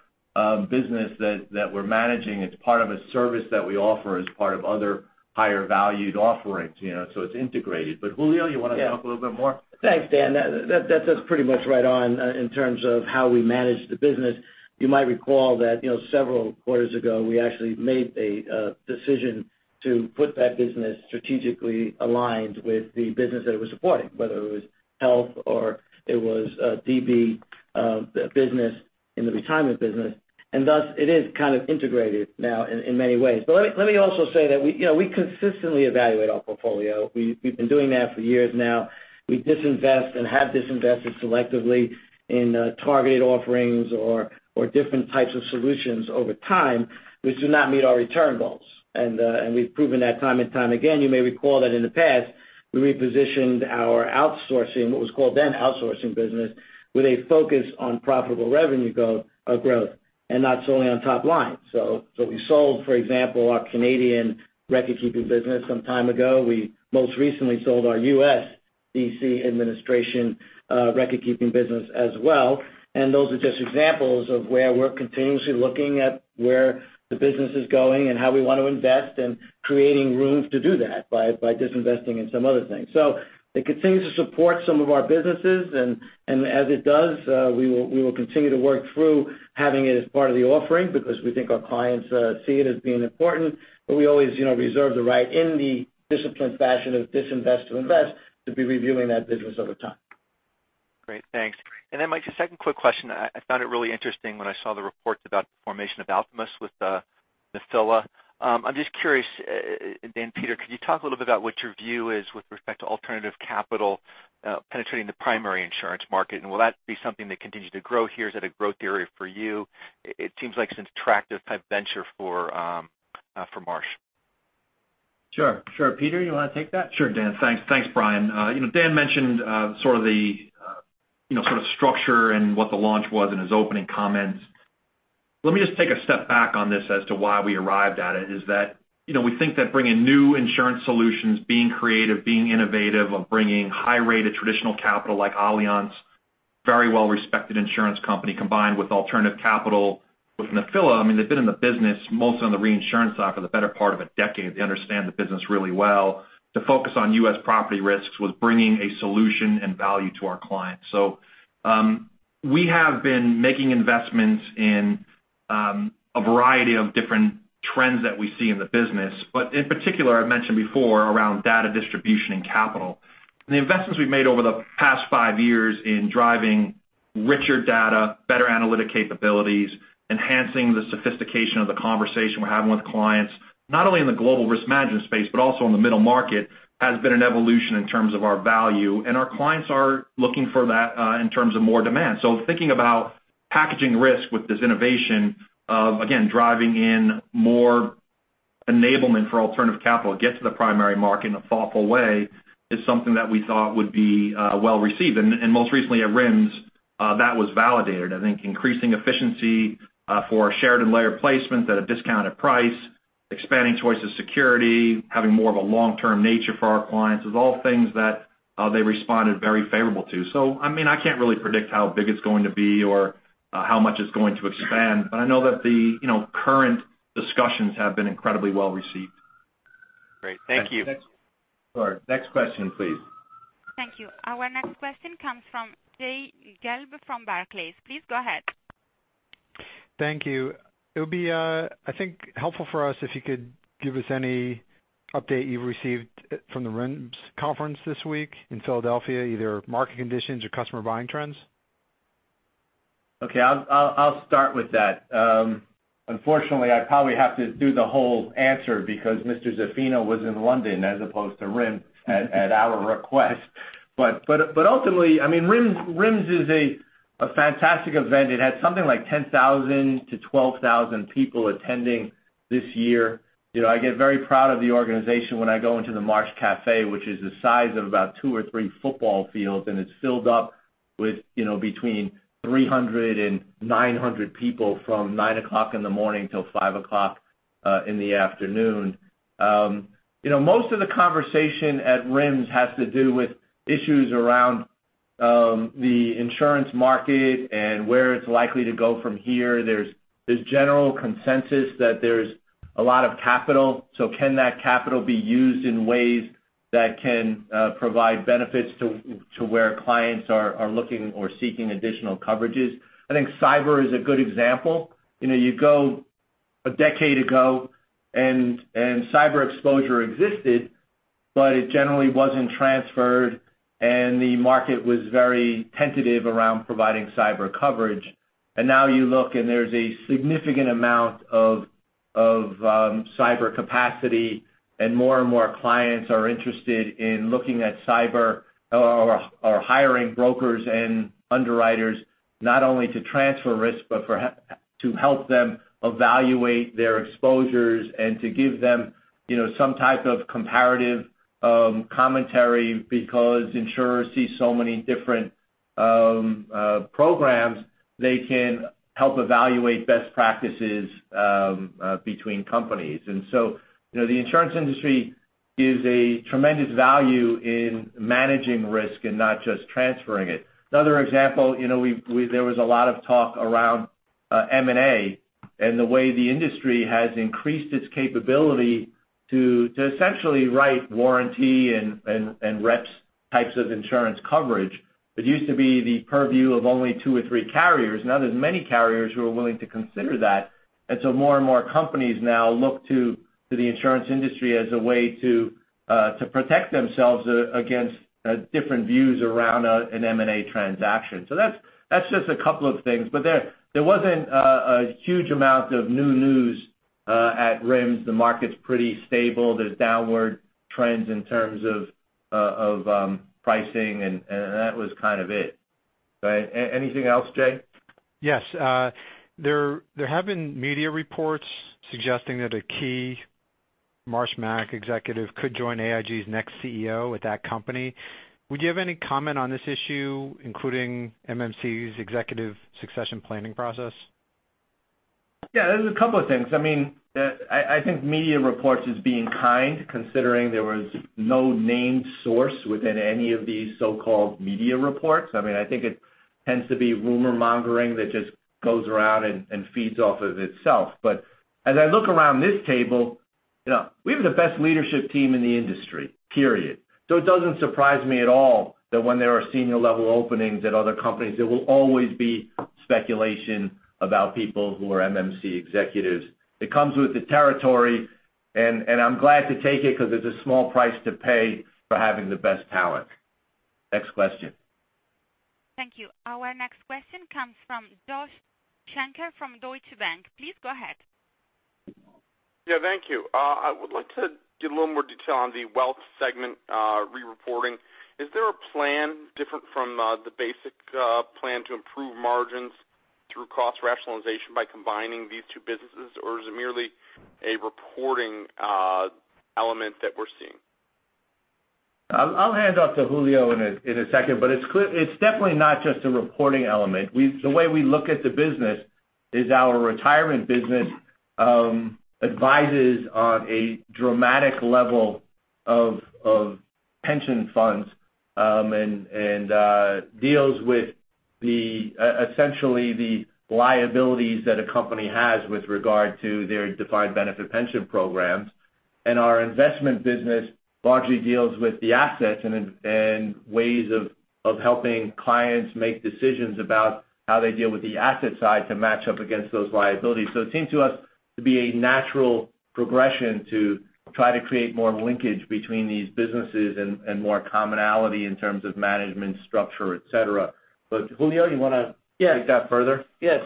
business that we're managing. It's part of a service that we offer as part of other higher valued offerings. It's integrated. Julio, you want to talk a little bit more? Thanks, Dan. That's pretty much right on in terms of how we manage the business. You might recall that several quarters ago, we actually made a decision to put that business strategically aligned with the business that it was supporting, whether it was health or it was DB business in the retirement business. Thus, it is kind of integrated now in many ways. Let me also say that we consistently evaluate our portfolio. We've been doing that for years now. We disinvest and have disinvested selectively in targeted offerings or different types of solutions over time, which do not meet our return goals. We've proven that time and time again. You may recall that in the past, we repositioned our outsourcing, what was called then outsourcing business, with a focus on profitable revenue growth and not solely on top line. We sold, for example, our Canadian record-keeping business some time ago. We most recently sold our U.S. DC administration record-keeping business as well. Those are just examples of where we're continuously looking at where the business is going and how we want to invest and creating room to do that by disinvesting in some other things. They continue to support some of our businesses, and as it does, we will continue to work through having it as part of the offering because we think our clients see it as being important. We always reserve the right in the disciplined fashion of disinvest to invest to be reviewing that business over time. Great, thanks. My second quick question. I found it really interesting when I saw the reports about the formation of Alternus with Nephila. I'm just curious, Dan, Peter, could you talk a little bit about what your view is with respect to alternative capital penetrating the primary insurance market, and will that be something that continues to grow here? Is that a growth area for you? It seems like it's an attractive type venture for Marsh. Sure. Peter, you want to take that? Sure, Dan. Thanks, Brian. Dan mentioned sort of the structure and what the launch was in his opening comments. Let me just take a step back on this as to why we arrived at it, is that we think that bringing new insurance solutions, being creative, being innovative of bringing high-rated traditional capital like Allianz, very well-respected insurance company, combined with alternative capital with Nephila. I mean, they've been in the business mostly on the reinsurance side for the better part of a decade. They understand the business really well. To focus on U.S. property risks was bringing a solution and value to our clients. In particular, I've mentioned before around data distribution and capital. The investments we've made over the past five years in driving richer data, better analytic capabilities, enhancing the sophistication of the conversation we're having with clients, not only in the global risk management space, but also in the middle market, has been an evolution in terms of our value. Our clients are looking for that in terms of more demand. Thinking about packaging risk with this innovation of, again, driving in more enablement for alternative capital to get to the primary market in a thoughtful way is something that we thought would be well received. Most recently at RIMS, that was validated. I think increasing efficiency for our shared and layer placements at a discounted price, expanding choice of security, having more of a long-term nature for our clients is all things that they responded very favorably to. I can't really predict how big it's going to be or how much it's going to expand, I know that the current discussions have been incredibly well received. Great. Thank you. Sorry. Next question, please. Thank you. Our next question comes from Jay Gelb from Barclays. Please go ahead. Thank you. It would be, I think, helpful for us if you could give us any update you've received from the RIMS conference this week in Philadelphia, either market conditions or customer buying trends. Okay. I'll start with that. Unfortunately, I probably have to do the whole answer because Mr. Zaffino was in London as opposed to RIMS at our request. RIMS is a fantastic event. It had something like 10,000-12,000 people attending this year. I get very proud of the organization when I go into the Marsh Café, which is the size of about two or three football fields, and it's filled up with between 300-900 people from 9:00 A.M. till 5:00 P.M. Most of the conversation at RIMS has to do with issues around the insurance market and where it's likely to go from here. There's general consensus that there's a lot of capital, so can that capital be used in ways that can provide benefits to where clients are looking or seeking additional coverages? I think cyber is a good example. You go a decade ago and cyber exposure existed, but it generally wasn't transferred, and the market was very tentative around providing cyber coverage. Now you look and there's a significant amount of cyber capacity, and more and more clients are interested in looking at cyber or hiring brokers and underwriters, not only to transfer risk, but to help them evaluate their exposures and to give them some type of comparative commentary. Because insurers see so many different programs, they can help evaluate best practices between companies. The insurance industry is a tremendous value in managing risk and not just transferring it. Another example, there was a lot of talk around M&A and the way the industry has increased its capability to essentially write warranty and reps types of insurance coverage. That used to be the purview of only two or three carriers. Now there's many carriers who are willing to consider that, more and more companies now look to the insurance industry as a way to protect themselves against different views around an M&A transaction. That's just a couple of things. There wasn't a huge amount of new news at RIMS. The market's pretty stable. There's downward trends in terms of pricing, and that was kind of it. Anything else, Jay? Yes. There have been media reports suggesting that a key Marsh MMC executive could join AIG's next CEO at that company. Would you have any comment on this issue, including MMC's executive succession planning process? Yeah, there's a couple of things. I think media reports is being kind, considering there was no named source within any of these so-called media reports. I think it tends to be rumor mongering that just goes around and feeds off of itself. As I look around this table, we have the best leadership team in the industry, period. It doesn't surprise me at all that when there are senior level openings at other companies, there will always be speculation about people who are MMC executives. It comes with the territory, and I'm glad to take it because it's a small price to pay for having the best talent. Next question. Thank you. Our next question comes from Joshua Shanker from Deutsche Bank. Please go ahead. Yeah, thank you. I would like to get a little more detail on the Wealth Segment re-reporting. Is there a plan different from the basic plan to improve margins through cost rationalization by combining these two businesses, or is it merely a reporting element that we're seeing? I'll hand off to Julio in a second, but it's definitely not just a reporting element. The way we look at the business is our retirement business advises on a dramatic level of pension funds and deals with essentially the liabilities that a company has with regard to their defined benefit pension programs. Our investment business largely deals with the assets and ways of helping clients make decisions about how they deal with the asset side to match up against those liabilities. It seems to us to be a natural progression to try to create more linkage between these businesses and more commonality in terms of management structure, et cetera. Julio, you want to take that further? Yes.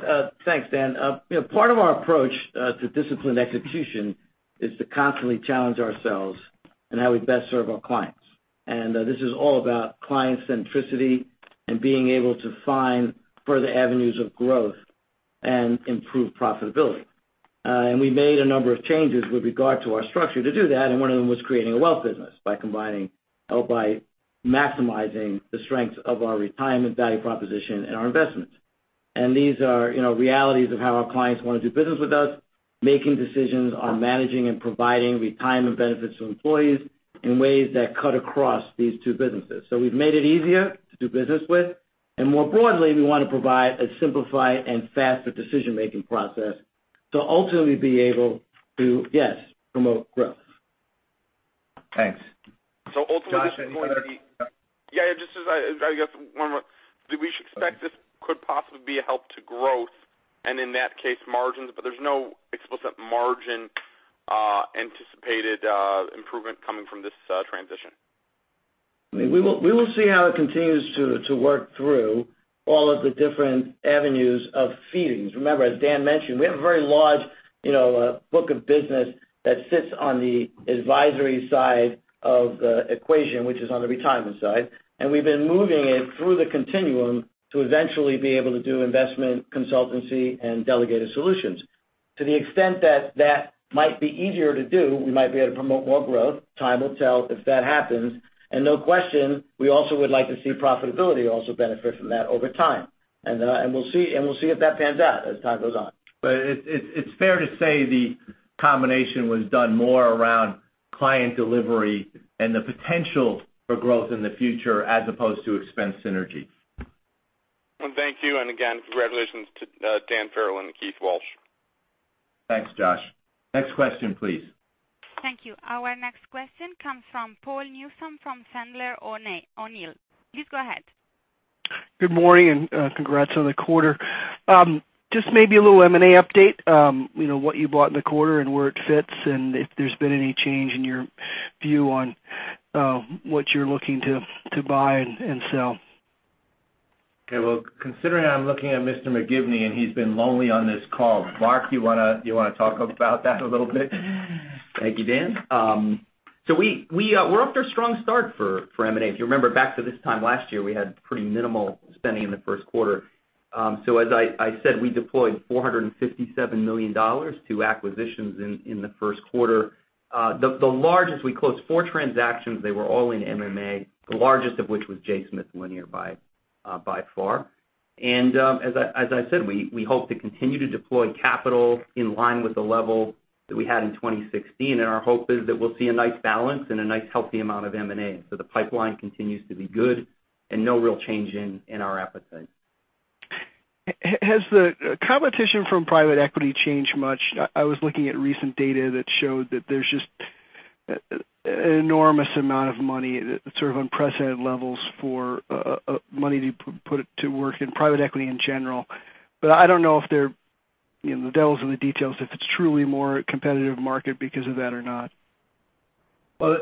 Thanks, Dan. Part of our approach to disciplined execution is to constantly challenge ourselves on how we best serve our clients. This is all about client centricity and being able to find further avenues of growth and improve profitability. We made a number of changes with regard to our structure to do that, and one of them was creating a Wealth business by maximizing the strengths of our retirement value proposition and our investments. These are realities of how our clients want to do business with us, making decisions on managing and providing retirement benefits to employees in ways that cut across these two businesses. We've made it easier to do business with, and more broadly, we want to provide a simplified and faster decision-making process to ultimately be able to, yes, promote growth. Thanks, Josh. Yeah. I guess one more. There's no explicit margin anticipated improvement coming from this transition? We will see how it continues to work through all of the different avenues of [feedings]. Remember, as Dan mentioned, we have a very large book of business that sits on the advisory side of the equation, which is on the retirement side. We've been moving it through the continuum to eventually be able to do investment consultancy and delegated solutions. To the extent that that might be easier to do, we might be able to promote more growth. Time will tell if that happens. No question, we also would like to see profitability also benefit from that over time. We'll see if that pans out as time goes on. It's fair to say the combination was done more around client delivery and the potential for growth in the future as opposed to expense synergy. Thank you, and again, congratulations to Daniel Farrell and Keith Walsh. Thanks, Josh. Next question, please. Thank you. Our next question comes from Paul Newsome from Sandler O'Neill. Please go ahead. Good morning. Congrats on the quarter. Just maybe a little M&A update. What you bought in the quarter and where it fits, if there's been any change in your view on what you're looking to buy and sell. Okay. Well, considering I'm looking at Mr. McGivney, he's been lonely on this call. Mark, do you want to talk about that a little bit? Thank you, Dan. We're off to a strong start for M&A. If you remember back to this time last year, we had pretty minimal spending in the first quarter. As I said, we deployed $457 million to acquisitions in the first quarter. The largest, we closed four transactions. They were all in M&A, the largest of which was J. Smith Lanier by far. As I said, we hope to continue to deploy capital in line with the level that we had in 2016. Our hope is that we'll see a nice balance and a nice healthy amount of M&A. The pipeline continues to be good and no real change in our appetite. Has the competition from private equity changed much? I was looking at recent data that showed that there's just an enormous amount of money that, sort of unprecedented levels for money to put it to work in private equity in general. I don't know if the devil's in the details, if it's truly a more competitive market because of that or not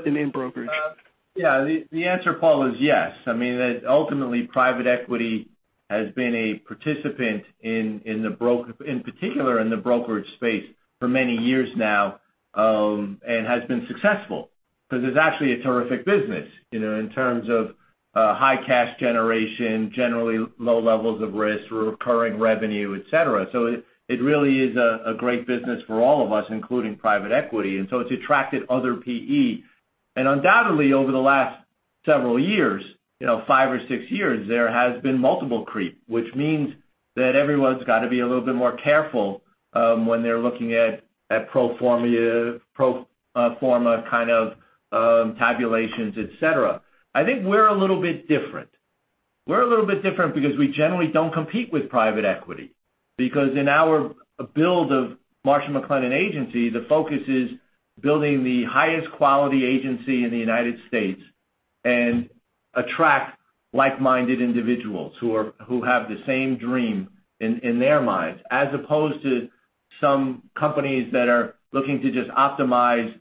in brokerage. Yeah. The answer, Paul, is yes. Ultimately, private equity has been a participant, in particular in the brokerage space for many years now, and has been successful, because it's actually a terrific business in terms of high cash generation, generally low levels of risk, recurring revenue, et cetera. It really is a great business for all of us, including private equity. It's attracted other PE. Undoubtedly, over the last several years, five or six years, there has been multiple creep, which means that everyone's got to be a little bit more careful when they're looking at pro forma kind of tabulations, et cetera. I think we're a little bit different. We're a little bit different because we generally don't compete with private equity. Because in our build of Marsh & McLennan Agency, the focus is building the highest quality agency in the United States and attract like-minded individuals who have the same dream in their minds, as opposed to some companies that are looking to just optimize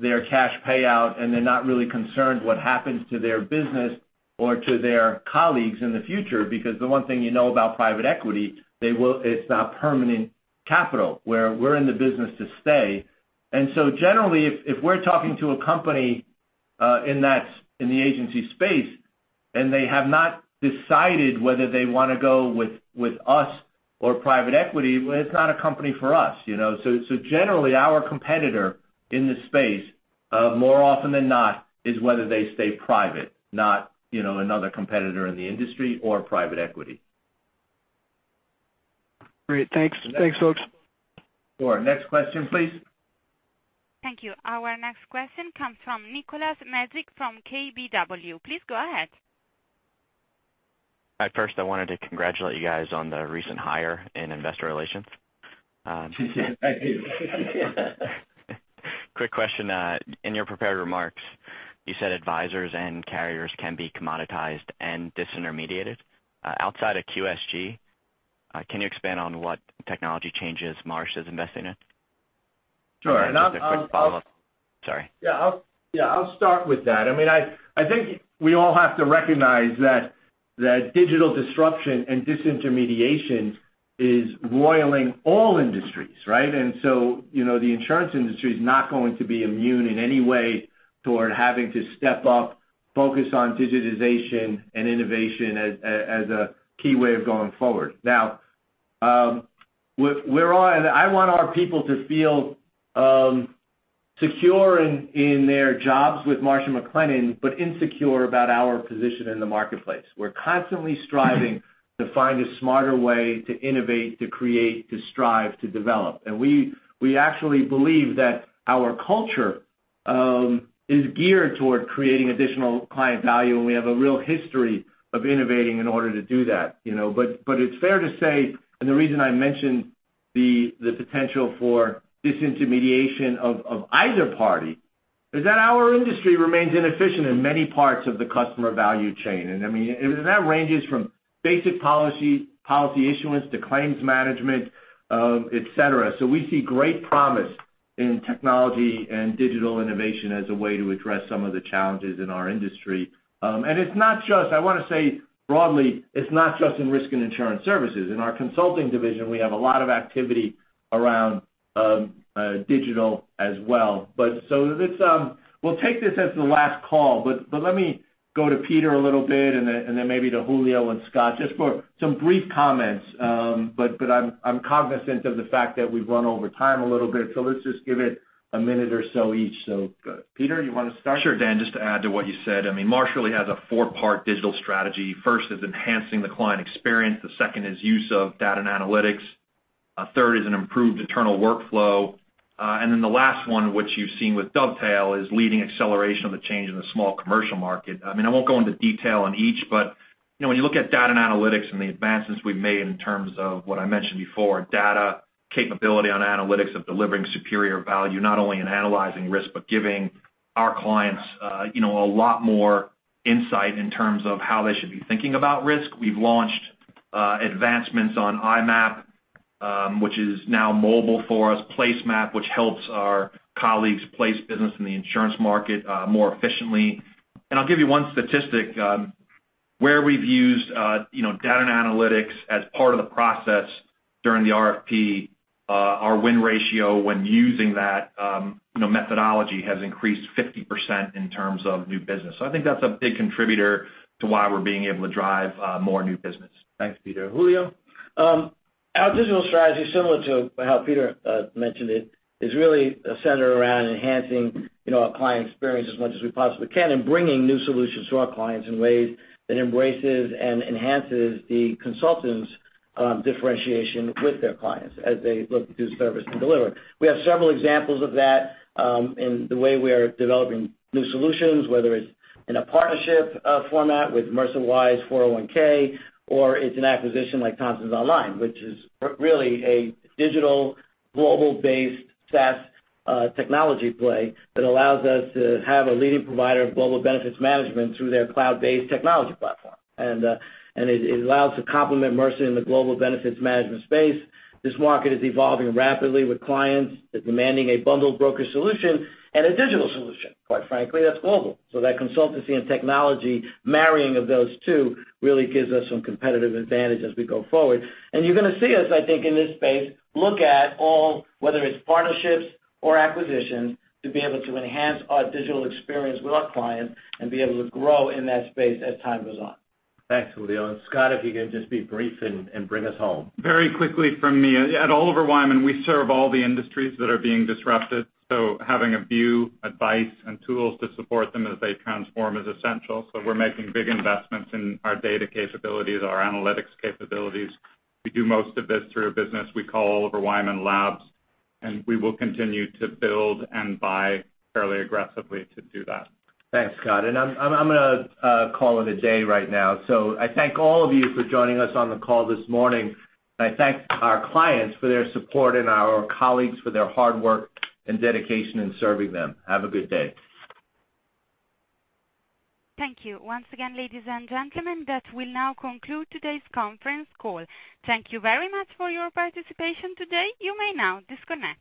their cash payout, and they're not really concerned what happens to their business or to their colleagues in the future. Because the one thing you know about private equity, it's not permanent capital. Where we're in the business to stay. Generally, if we're talking to a company in the agency space, and they have not decided whether they want to go with us or private equity, well, it's not a company for us. Generally, our competitor in this space, more often than not, is whether they stay private, not another competitor in the industry or private equity. Great. Thanks. Thanks, folks. Sure. Next question, please. Thank you. Our next question comes from Meyer Shields from KBW. Please go ahead. Hi. First, I wanted to congratulate you guys on the recent hire in investor relations. Thank you. Quick question. In your prepared remarks, you said advisers and carriers can be commoditized and disintermediated. Outside of QSG, can you expand on what technology changes Marsh is investing in? Sure. Just a quick follow-up. Sorry. Yeah, I'll start with that. I think we all have to recognize that digital disruption and disintermediation is roiling all industries, right? The insurance industry is not going to be immune in any way toward having to step up, focus on digitization and innovation as a key way of going forward. Now, I want our people to feel secure in their jobs with Marsh & McLennan, but insecure about our position in the marketplace. We're constantly striving to find a smarter way to innovate, to create, to strive, to develop. We actually believe that our culture is geared toward creating additional client value, and we have a real history of innovating in order to do that. It's fair to say, and the reason I mention the potential for disintermediation of either party is that our industry remains inefficient in many parts of the customer value chain. That ranges from basic policy issuance to claims management, et cetera. We see great promise in technology and digital innovation as a way to address some of the challenges in our industry. I want to say broadly, it's not just in Risk and Insurance Services. In our consulting division, we have a lot of activity around digital as well. We'll take this as the last call, but let me go to Peter a little bit and then maybe to Julio and Scott, just for some brief comments. I'm cognizant of the fact that we've run over time a little bit, so let's just give it a minute or so each. Peter, you want to start? Sure, Dan, just to add to what you said, Marsh really has a four-part digital strategy. First is enhancing the client experience, the second is use of data and analytics, third is an improved internal workflow, and then the last one, which you've seen with Dovetail, is leading acceleration of the change in the small commercial market. I won't go into detail on each, but when you look at data and analytics and the advancements we've made in terms of what I mentioned before, data capability on analytics of delivering superior value, not only in analyzing risk, but giving our clients a lot more insight in terms of how they should be thinking about risk. We've launched advancements on iMAP, which is now mobile for us, PlaceMAP, which helps our colleagues place business in the insurance market more efficiently. I'll give you one statistic, where we've used data and analytics as part of the process during the RFP, our win ratio when using that methodology has increased 50% in terms of new business. I think that's a big contributor to why we're being able to drive more new business. Thanks, Peter. Julio? Our digital strategy, similar to how Peter mentioned it, is really centered around enhancing our client experience as much as we possibly can and bringing new solutions to our clients in ways that embraces and enhances the consultants' differentiation with their clients as they look to service and deliver. We have several examples of that in the way we are developing new solutions, whether it's in a partnership format with Mercer Wise 401(k), or it's an acquisition like Thomsons Online Benefits, which is really a digital global-based SaaS technology play that allows us to have a leading provider of global benefits management through their cloud-based technology platform. It allows to complement Mercer in the global benefits management space. This market is evolving rapidly with clients demanding a bundled broker solution and a digital solution, quite frankly, that's global. That consultancy and technology, marrying of those two, really gives us some competitive advantage as we go forward. You're going to see us, I think, in this space, look at all, whether it's partnerships or acquisitions, to be able to enhance our digital experience with our clients and be able to grow in that space as time goes on. Thanks, Julio. Scott, if you could just be brief and bring us home. Very quickly from me. At Oliver Wyman, we serve all the industries that are being disrupted, so having a view, advice, and tools to support them as they transform is essential. We're making big investments in our data capabilities, our analytics capabilities. We do most of this through a business we call Oliver Wyman Labs, and we will continue to build and buy fairly aggressively to do that. Thanks, Scott. I'm going to call it a day right now. I thank all of you for joining us on the call this morning. I thank our clients for their support and our colleagues for their hard work and dedication in serving them. Have a good day. Thank you once again, ladies and gentlemen, that will now conclude today's conference call. Thank you very much for your participation today. You may now disconnect.